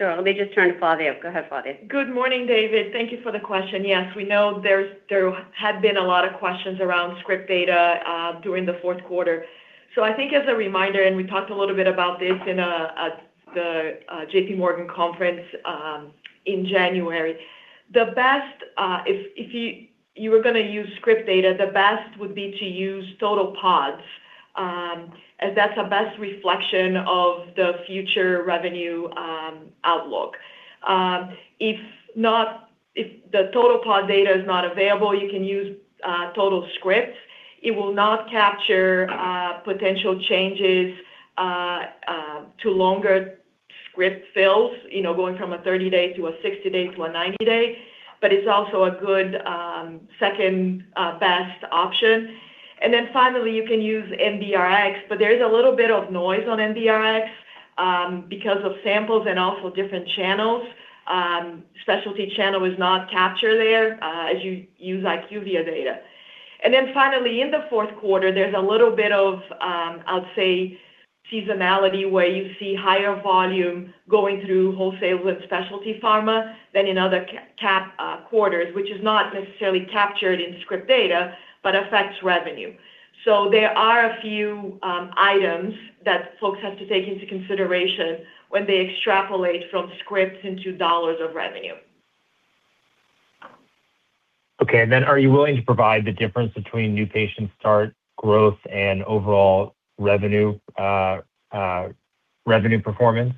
C: Sure. Let me just turn to Flavia. Go ahead, Fabio.
D: Good morning, David. Thank you for the question. Yes, we know there had been a lot of questions around script data during the fourth quarter. So I think as a reminder, and we talked a little bit about this in at the JP Morgan conference in January. The best if you were going to use script data, the best would be to use total pods as that's the best reflection of the future revenue outlook. If not, if the total pod data is not available, you can use total scripts. It will not capture potential changes to longer script fills, you know, going from a 30-day to a 60-day to a 90-day, but it's also a good second best option. And then finally, you can use MDRX, but there is a little bit of noise on MDRX because of samples and also different channels. Specialty channel is not captured there, as you use IQVIA data. And then finally, in the fourth quarter, there's a little bit of seasonality, I'd say, where you see higher volume going through wholesale with specialty pharma than in other quarters, which is not necessarily captured in script data, but affects revenue. So there are a few items that folks have to take into consideration when they extrapolate from scripts into dollars of revenue.
G: Okay. And then are you willing to provide the difference between new patient start, growth, and overall revenue, revenue performance?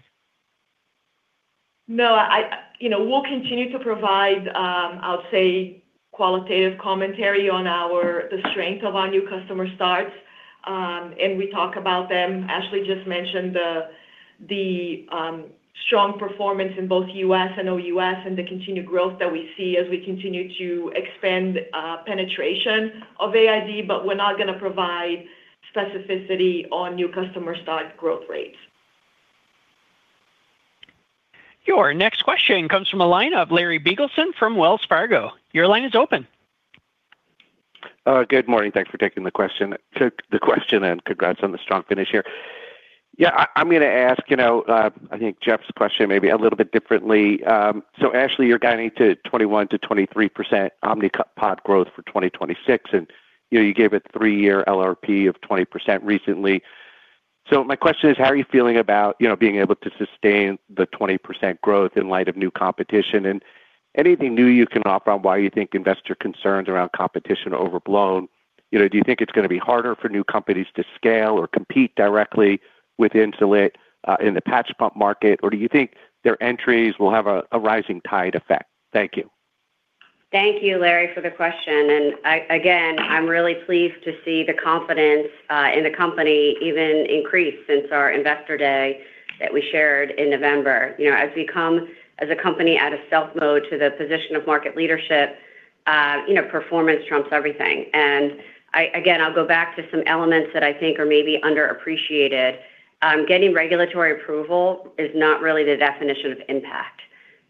D: No, I, you know, we'll continue to provide, I'll say, qualitative commentary on our, the strength of our new customer starts, and we talk about them. Ashley just mentioned the strong performance in both U.S. and OUS and the continued growth that we see as we continue to expand penetration of AID, but we're not going to provide specificity on new customer start growth rates.
A: Your next question comes from a line of Larry Biegelsen from Wells Fargo. Your line is open.
H: Good morning. Thanks for taking the question. Took the question, and congrats on the strong finish here.... Yeah, I'm gonna ask, you know, I think Jeff's question maybe a little bit differently. So Ashley, you're guiding to 21%-23% Omnipod pod growth for 2026, and, you know, you gave a three-year LRP of 20% recently. So my question is: how are you feeling about, you know, being able to sustain the 20% growth in light of new competition? And anything new you can offer on why you think investor concerns around competition are overblown? You know, do you think it's gonna be harder for new companies to scale or compete directly with Insulet in the patch pump market? Or do you think their entries will have a rising tide effect? Thank you.
C: Thank you, Larry, for the question, and again, I'm really pleased to see the confidence in the company even increase since our investor day that we shared in November. You know, as we come as a company out of stealth mode to the position of market leadership, you know, performance trumps everything. And I, again, I'll go back to some elements that I think are maybe underappreciated. Getting regulatory approval is not really the definition of impact.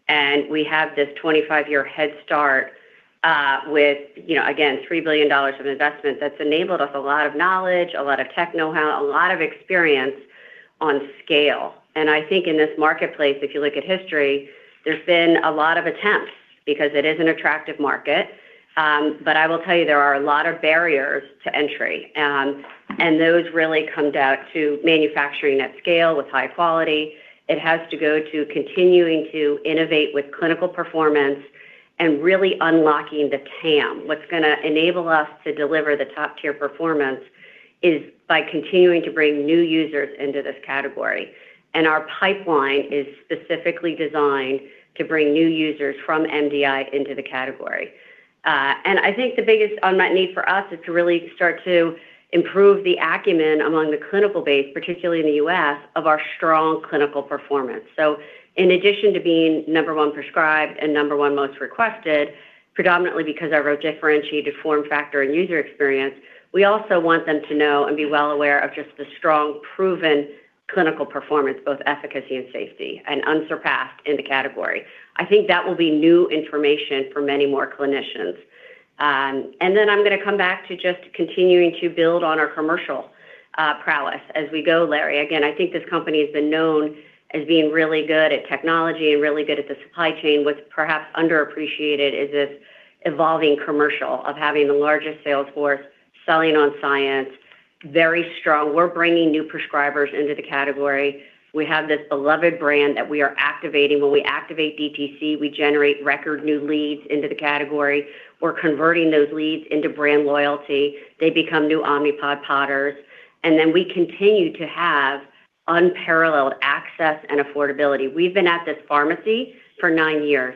C: And we have this 25-year head start, with, you know, again, $3 billion of investment. That's enabled us a lot of knowledge, a lot of know-how, a lot of experience on scale. And I think in this marketplace, if you look at history, there's been a lot of attempts because it is an attractive market. but I will tell you, there are a lot of barriers to entry. those really come down to manufacturing at scale with high quality. It has to go to continuing to innovate with clinical performance and really unlocking the TAM. What's gonna enable us to deliver the top-tier performance is by continuing to bring new users into this category, and our pipeline is specifically designed to bring new users from MDI into the category. I think the biggest unmet need for us is to really start to improve the acumen among the clinical base, particularly in the U.S., of our strong clinical performance. So in addition to being number one prescribed and number one most requested, predominantly because of our differentiated form factor and user experience, we also want them to know and be well aware of just the strong, proven clinical performance, both efficacy and safety, and unsurpassed in the category. I think that will be new information for many more clinicians. And then I'm gonna come back to just continuing to build on our commercial prowess as we go, Larry. Again, I think this company has been known as being really good at technology and really good at the supply chain. What's perhaps underappreciated is this evolving commercial of having the largest sales force, selling on science, very strong. We're bringing new prescribers into the category. We have this beloved brand that we are activating. When we activate DTC, we generate record new leads into the category. We're converting those leads into brand loyalty. They become new Omnipod Podders, and then we continue to have unparalleled access and affordability. We've been at this pharmacy for nine years,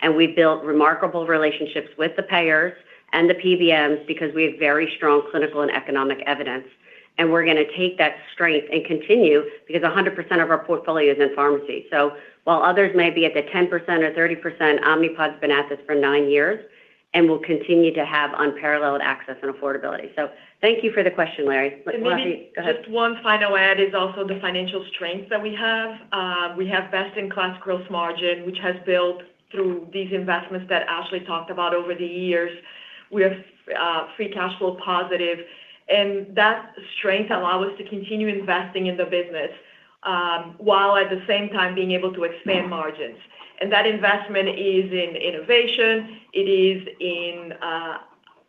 C: and we've built remarkable relationships with the payers and the PBMs because we have very strong clinical and economic evidence, and we're gonna take that strength and continue because 100% of our portfolio is in pharmacy. So while others may be at the 10% or 30%, Omnipod's been at this for nine years and will continue to have unparalleled access and affordability. So thank you for the question, Larry. Go ahead.
D: Just one final add is also the financial strength that we have. We have best-in-class growth margin, which has built through these investments that Ashley talked about over the years. We are free cash flow positive, and that strength allow us to continue investing in the business, while at the same time being able to expand margins. And that investment is in innovation, it is in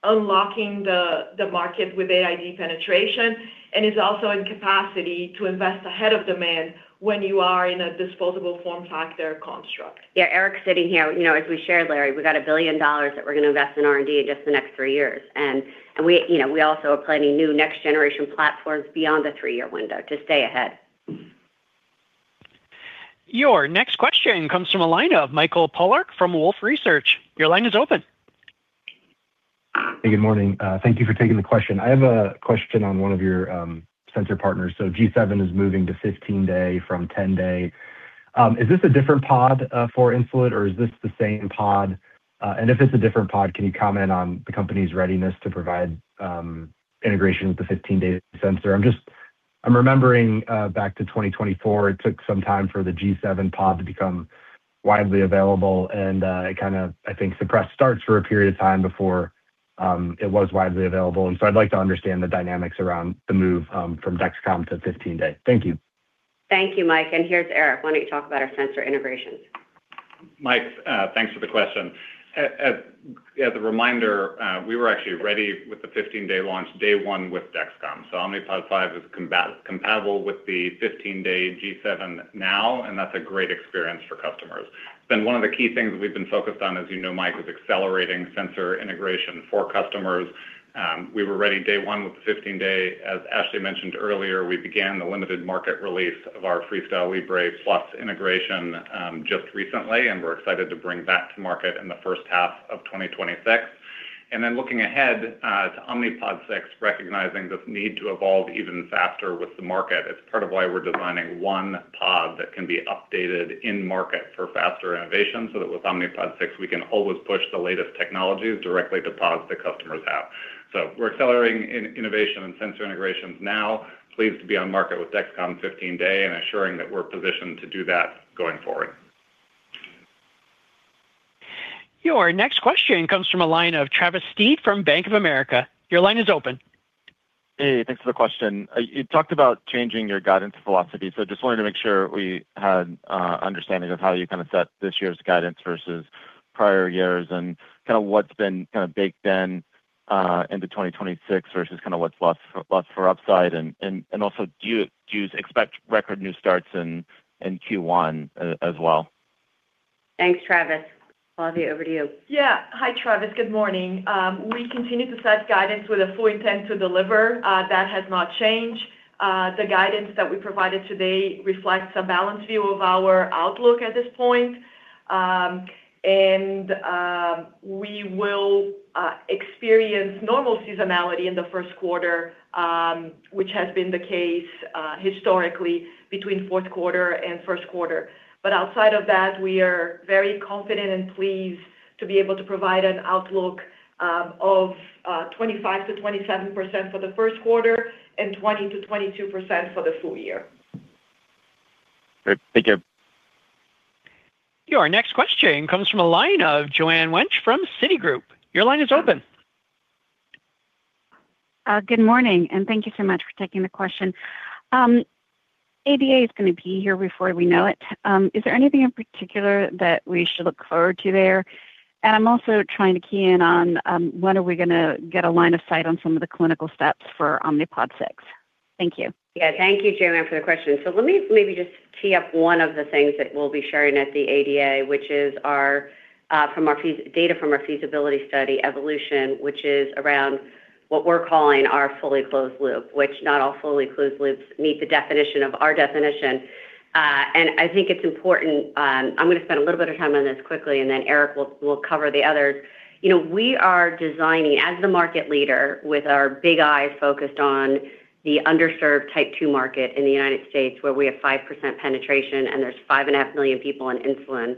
D: unlocking the market with AID penetration, and is also in capacity to invest ahead of demand when you are in a disposable form factor construct.
C: Yeah, Eric's sitting here. You know, as we shared, Larry, we got $1 billion that we're gonna invest in R&D in just the next three years. And we, you know, we also are planning new next generation platforms beyond the three-year window to stay ahead.
A: Your next question comes from a line of Michael Polark from Wolfe Research. Your line is open.
I: Hey, good morning. Thank you for taking the question. I have a question on one of your sensor partners. So G7 is moving to 15-day from 10-day. Is this a different pod for Insulet, or is this the same pod? And if it's a different pod, can you comment on the company's readiness to provide integration with the 15-day sensor? I'm just—I'm remembering back to 2024, it took some time for the G7 pod to become widely available, and it kind of, I think, suppressed starts for a period of time before it was widely available. And so I'd like to understand the dynamics around the move from Dexcom to 15-day. Thank you.
C: Thank you, Mike. Here's Eric. Why don't you talk about our sensor integrations?
J: Mike, thanks for the question. As a reminder, we were actually ready with the 15-day launch, day one with Dexcom. So Omnipod 5 is compatible with the 15-day G7 now, and that's a great experience for customers. Then one of the key things we've been focused on, as you know, Mike, is accelerating sensor integration for customers. We were ready day one with the 15-day. As Ashley mentioned earlier, we began the limited market release of our FreeStyle Libre Plus integration, just recently, and we're excited to bring that to market in the first half of 2026. Looking ahead to Omnipod 6, recognizing this need to evolve even faster with the market, it's part of why we're designing one pod that can be updated in market for faster innovation, so that with Omnipod 6, we can always push the latest technologies directly to pods the customers have. We're accelerating innovation and sensor integrations now, pleased to be on market with Dexcom 15-day and assuring that we're positioned to do that going forward.
A: Your next question comes from a line of Travis Steed from Bank of America. Your line is open.
K: Hey, thanks for the question. You talked about changing your guidance philosophy. So just wanted to make sure we had understanding of how you kind of set this year's guidance versus prior years and kind of what's been kind of baked in into 2026 versus kind of what's left for upside. And also, do you expect record new starts in Q1 as well?
C: Thanks, Travis. Flavia, over to you.
D: Yeah. Hi, Travis. Good morning. We continue to set guidance with a full intent to deliver, that has not changed. The guidance that we provided today reflects a balanced view of our outlook at this point. And, we will experience normal seasonality in the first quarter, which has been the case, historically between fourth quarter and first quarter. But outside of that, we are very confident and pleased to be able to provide an outlook, of 25%-27% for the first quarter and 20%-22% for the full year.
K: Great. Thank you.
A: Your next question comes from a line of Joanne Wuensch from Citigroup. Your line is open.
L: Good morning, and thank you so much for taking the question. ADA is going to be here before we know it. Is there anything in particular that we should look forward to there? And I'm also trying to key in on, when are we going to get a line of sight on some of the clinical steps for Omnipod 6? Thank you.
C: Yeah, thank you, Joanne, for the question. So let me maybe just tee up one of the things that we'll be sharing at the ADA, which is our data from our feasibility study, Evolution, which is around what we're calling our fully closed loop, which not all fully closed loops meet the definition of our definition. And I think it's important. I'm going to spend a little bit of time on this quickly, and then Eric will cover the others. You know, we are designing, as the market leader, with our big eyes focused on the underserved Type 2 market in the United States, where we have 5% penetration, and there's 5.5 million people on insulin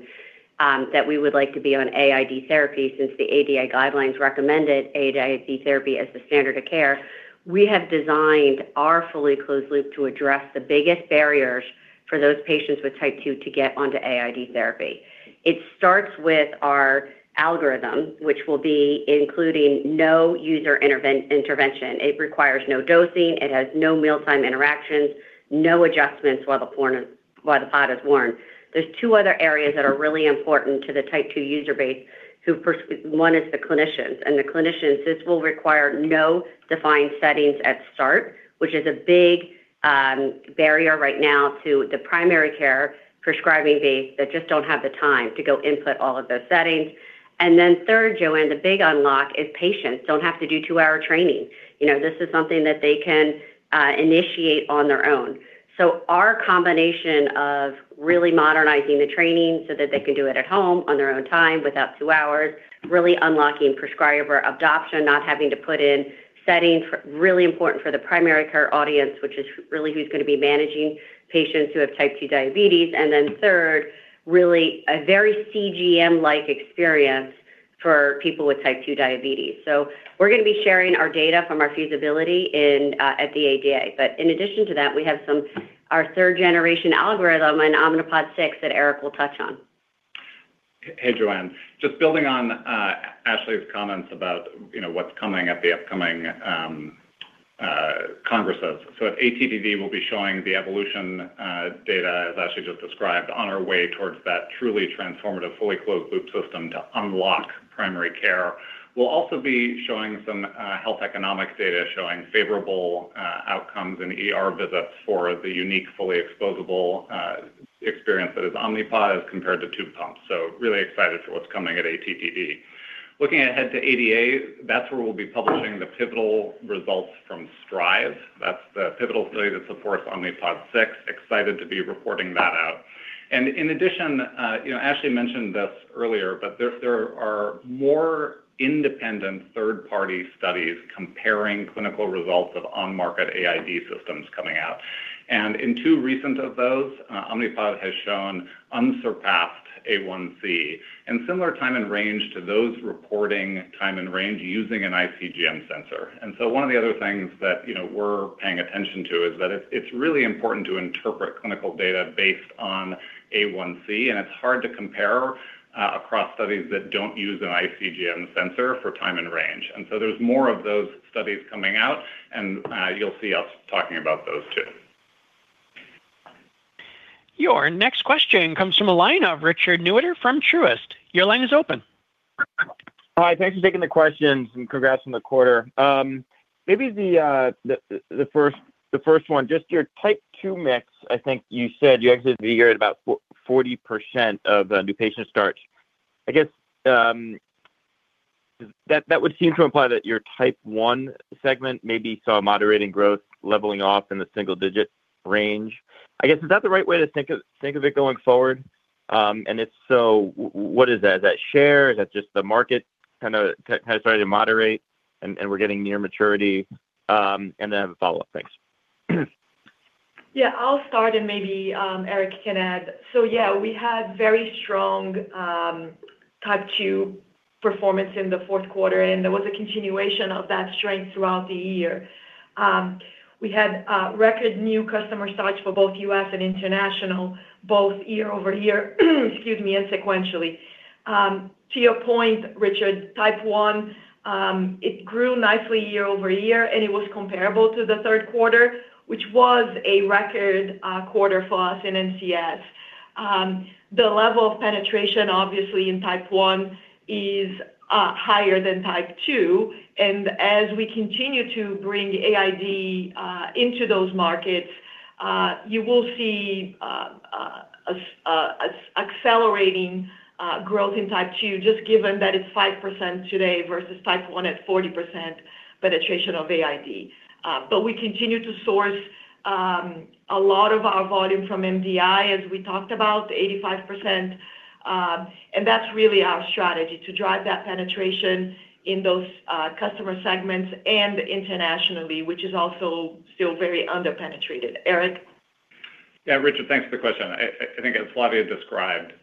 C: that we would like to be on AID therapy, since the ADA guidelines recommended AID therapy as the standard of care. We have designed our fully closed loop to address the biggest barriers for those patients with Type 2 to get onto AID therapy. It starts with our algorithm, which will be including no user intervention. It requires no dosing, it has no mealtime interactions, no adjustments while the pod is worn. There's two other areas that are really important to the Type 2 user base, one is the clinicians. And the clinicians, this will require no defined settings at start, which is a big barrier right now to the primary care prescribing base that just don't have the time to go input all of those settings. And then third, Joanne, the big unlock is patients don't have to do two-hour training. You know, this is something that they can initiate on their own. So our combination of really modernizing the training so that they can do it at home on their own time without two hours, really unlocking prescriber adoption, not having to put in settings, really important for the primary care audience, which is really who's going to be managing patients who have Type 2 diabetes. And then third, really a very CGM-like experience for people with Type 2 diabetes. So we're going to be sharing our data from our feasibility in at the ADA. But in addition to that, we have our third generation algorithm in Omnipod 6 that Eric will touch on.
J: Hey, Joanne. Just building on Ashley's comments about, you know, what's coming at the upcoming congresses. So at ATTD, we'll be showing the Evolution data, as Ashley just described, on our way towards that truly transformative, fully closed loop system to unlock primary care. We'll also be showing some health economic data, showing favorable outcomes in ER visits for the unique, fully disposable experience that is Omnipod as compared to tube pumps. So really excited for what's coming at ATTD. Looking ahead to ADA, that's where we'll be publishing the pivotal results from Strive. That's the pivotal study that supports Omnipod 6. Excited to be reporting that out. And in addition, you know, Ashley mentioned this earlier, but there are more independent third-party studies comparing clinical results of on-market AID systems coming out. In two recent of those, Omnipod has shown unsurpassed A1C and similar time in range to those reporting time in range using an iCGM sensor. So one of the other things that, you know, we're paying attention to is that it's, it's really important to interpret clinical data based on A1C, and it's hard to compare across studies that don't use an iCGM sensor for time in range. So there's more of those studies coming out, and you'll see us talking about those, too.
A: Your next question comes from a line of Richard Newitter from Truist. Your line is open.
M: Hi, thanks for taking the questions, and congrats on the quarter. Maybe the first one, just your Type 2 mix. I think you said you exited the year at about 40% of the new patient starts. I guess that would seem to imply that your Type 1 segment maybe saw a moderating growth leveling off in the single digit range. I guess, is that the right way to think of it going forward? And if so, what is that? Is that share? Is that just the market kind of starting to moderate and we're getting near maturity? And then I have a follow-up. Thanks.
D: Yeah, I'll start and maybe Erik can add. So yeah, we had very strong Type 2 performance in the fourth quarter, and there was a continuation of that strength throughout the year. We had record new customer starts for both U.S. and international, both year-over-year, excuse me, and sequentially. To your point, Richard, Type 1, it grew nicely year-over-year, and it was comparable to the third quarter, which was a record quarter for us in NCS. The level of penetration, obviously, in Type 1 is higher than Type 2, and as we continue to bring AID into those markets, you will see an accelerating growth in Type 2, just given that it's 5% today versus Type 1 at 40% penetration of AID. We continue to source a lot of our volume from MDI, as we talked about, 85%. That's really our strategy, to drive that penetration in those customer segments and internationally, which is also still very under-penetrated. Eric?
J: Yeah, Richard, thanks for the question. I think as Flavia described,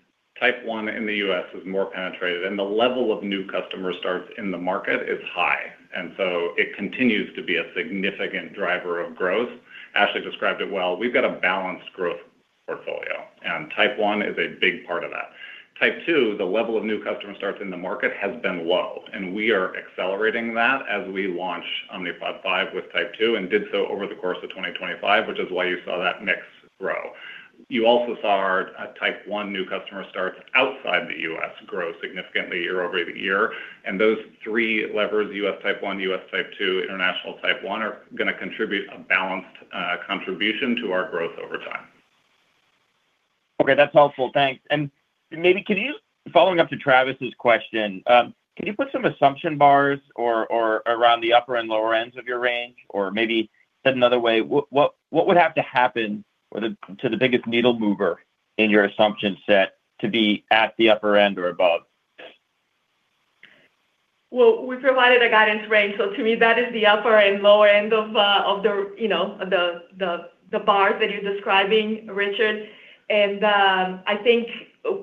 J: Type 1 in the U.S. is more penetrated, and the level of new customer starts in the market is high, and so it continues to be a significant driver of growth. Ashley described it well. We've got a balanced growth portfolio, and Type 1 is a big part of that. Type 2, the level of new customer starts in the market has been low, and we are accelerating that as we launch Omnipod 5 with Type 2 and did so over the course of 2025, which is why you saw that mix grow. You also saw our Type 1 new customer starts outside the U.S. grow significantly year-over-year. And those three levers, U.S. Type 1, U.S. Type 2, International Type 1, are gonna contribute a balanced contribution to our growth over time.
M: Okay, that's helpful. Thanks. And maybe could you—following up to Travis's question, can you put some assumption bars or around the upper and lower ends of your range? Or maybe said another way, what would have to happen for the—to the biggest needle mover in your assumption set to be at the upper end or above?
D: Well, we provided a guidance range, so to me, that is the upper and lower end of the, you know, the bars that you're describing, Richard. And, I think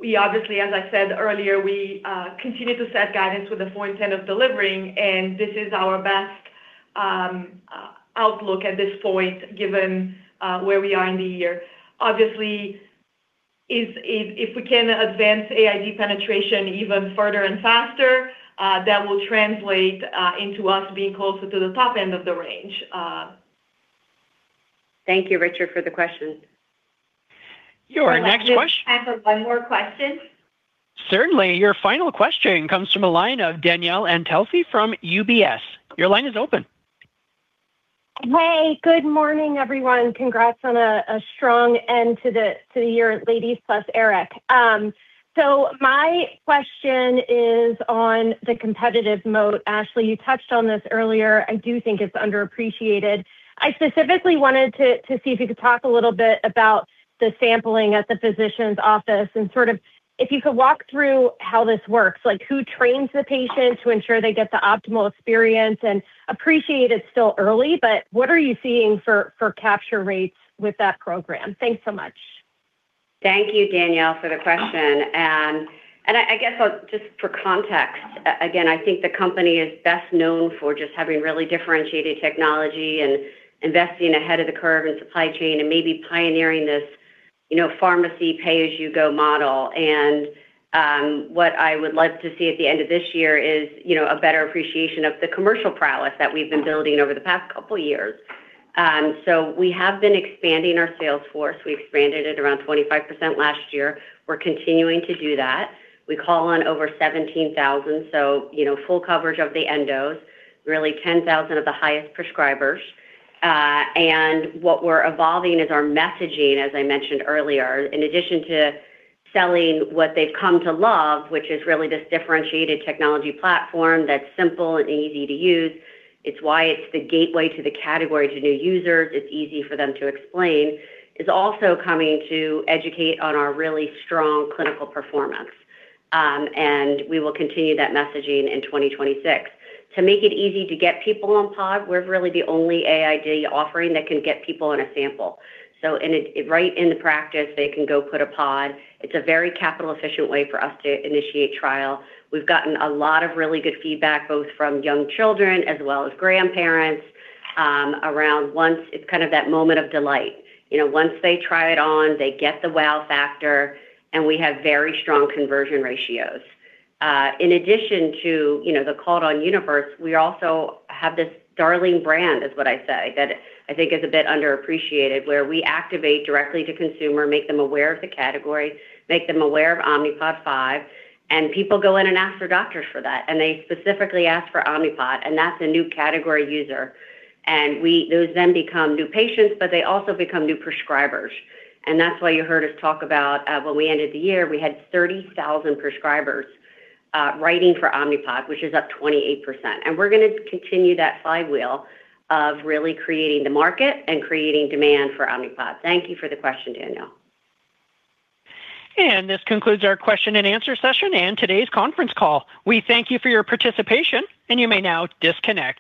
D: we obviously, as I said earlier, we continue to set guidance with the full intent of delivering, and this is our best outlook at this point, given where we are in the year. Obviously, if we can advance AID penetration even further and faster, that will translate into us being closer to the top end of the range.
C: Thank you, Richard, for the question.
A: Your next question-
C: Time for one more question?
A: Certainly. Your final question comes from a line of Danielle Antalffy from UBS. Your line is open.
N: Hey, good morning, everyone. Congrats on a strong end to the year, ladies, plus Eric. So my question is on the competitive mode. Ashley, you touched on this earlier. I do think it's underappreciated. I specifically wanted to see if you could talk a little bit about the sampling at the physician's office and sort of if you could walk through how this works, like who trains the patient to ensure they get the optimal experience? And appreciate it's still early, but what are you seeing for capture rates with that program? Thanks so much.
C: Thank you, Danielle, for the question. I guess I'll just for context, again, I think the company is best known for just having really differentiated technology and investing ahead of the curve in supply chain and maybe pioneering this, you know, pharmacy pay-as-you-go model. And what I would like to see at the end of this year is, you know, a better appreciation of the commercial prowess that we've been building over the past couple of years. So we have been expanding our sales force. We expanded it around 25% last year. We're continuing to do that. We call on over 17,000, so, you know, full coverage of the endos, really 10,000 of the highest prescribers. And what we're evolving is our messaging, as I mentioned earlier, in addition to selling what they've come to love, which is really this differentiated technology platform that's simple and easy to use. It's why it's the gateway to the category to new users. It's easy for them to explain. It's also coming to educate on our really strong clinical performance. And we will continue that messaging in 2026. To make it easy to get people on Pod, we're really the only AID offering that can get people on a sample. So and it right in the practice, they can go put a Pod. It's a very capital-efficient way for us to initiate trial. We've gotten a lot of really good feedback, both from young children as well as grandparents, around once. It's kind of that moment of delight. You know, once they try it on, they get the wow factor, and we have very strong conversion ratios. In addition to, you know, the called on universe, we also have this darling brand, is what I say, that I think is a bit underappreciated, where we activate directly to consumer, make them aware of the category, make them aware of Omnipod 5, and people go in and ask their doctors for that, and they specifically ask for Omnipod, and that's a new category user. And we—those then become new patients, but they also become new prescribers. And that's why you heard us talk about, when we ended the year, we had 30,000 prescribers writing for Omnipod, which is up 28%. And we're gonna continue that flywheel of really creating the market and creating demand for Omnipod. Thank you for the question, Danielle.
A: This concludes our question and answer session and today's conference call. We thank you for your participation, and you may now disconnect.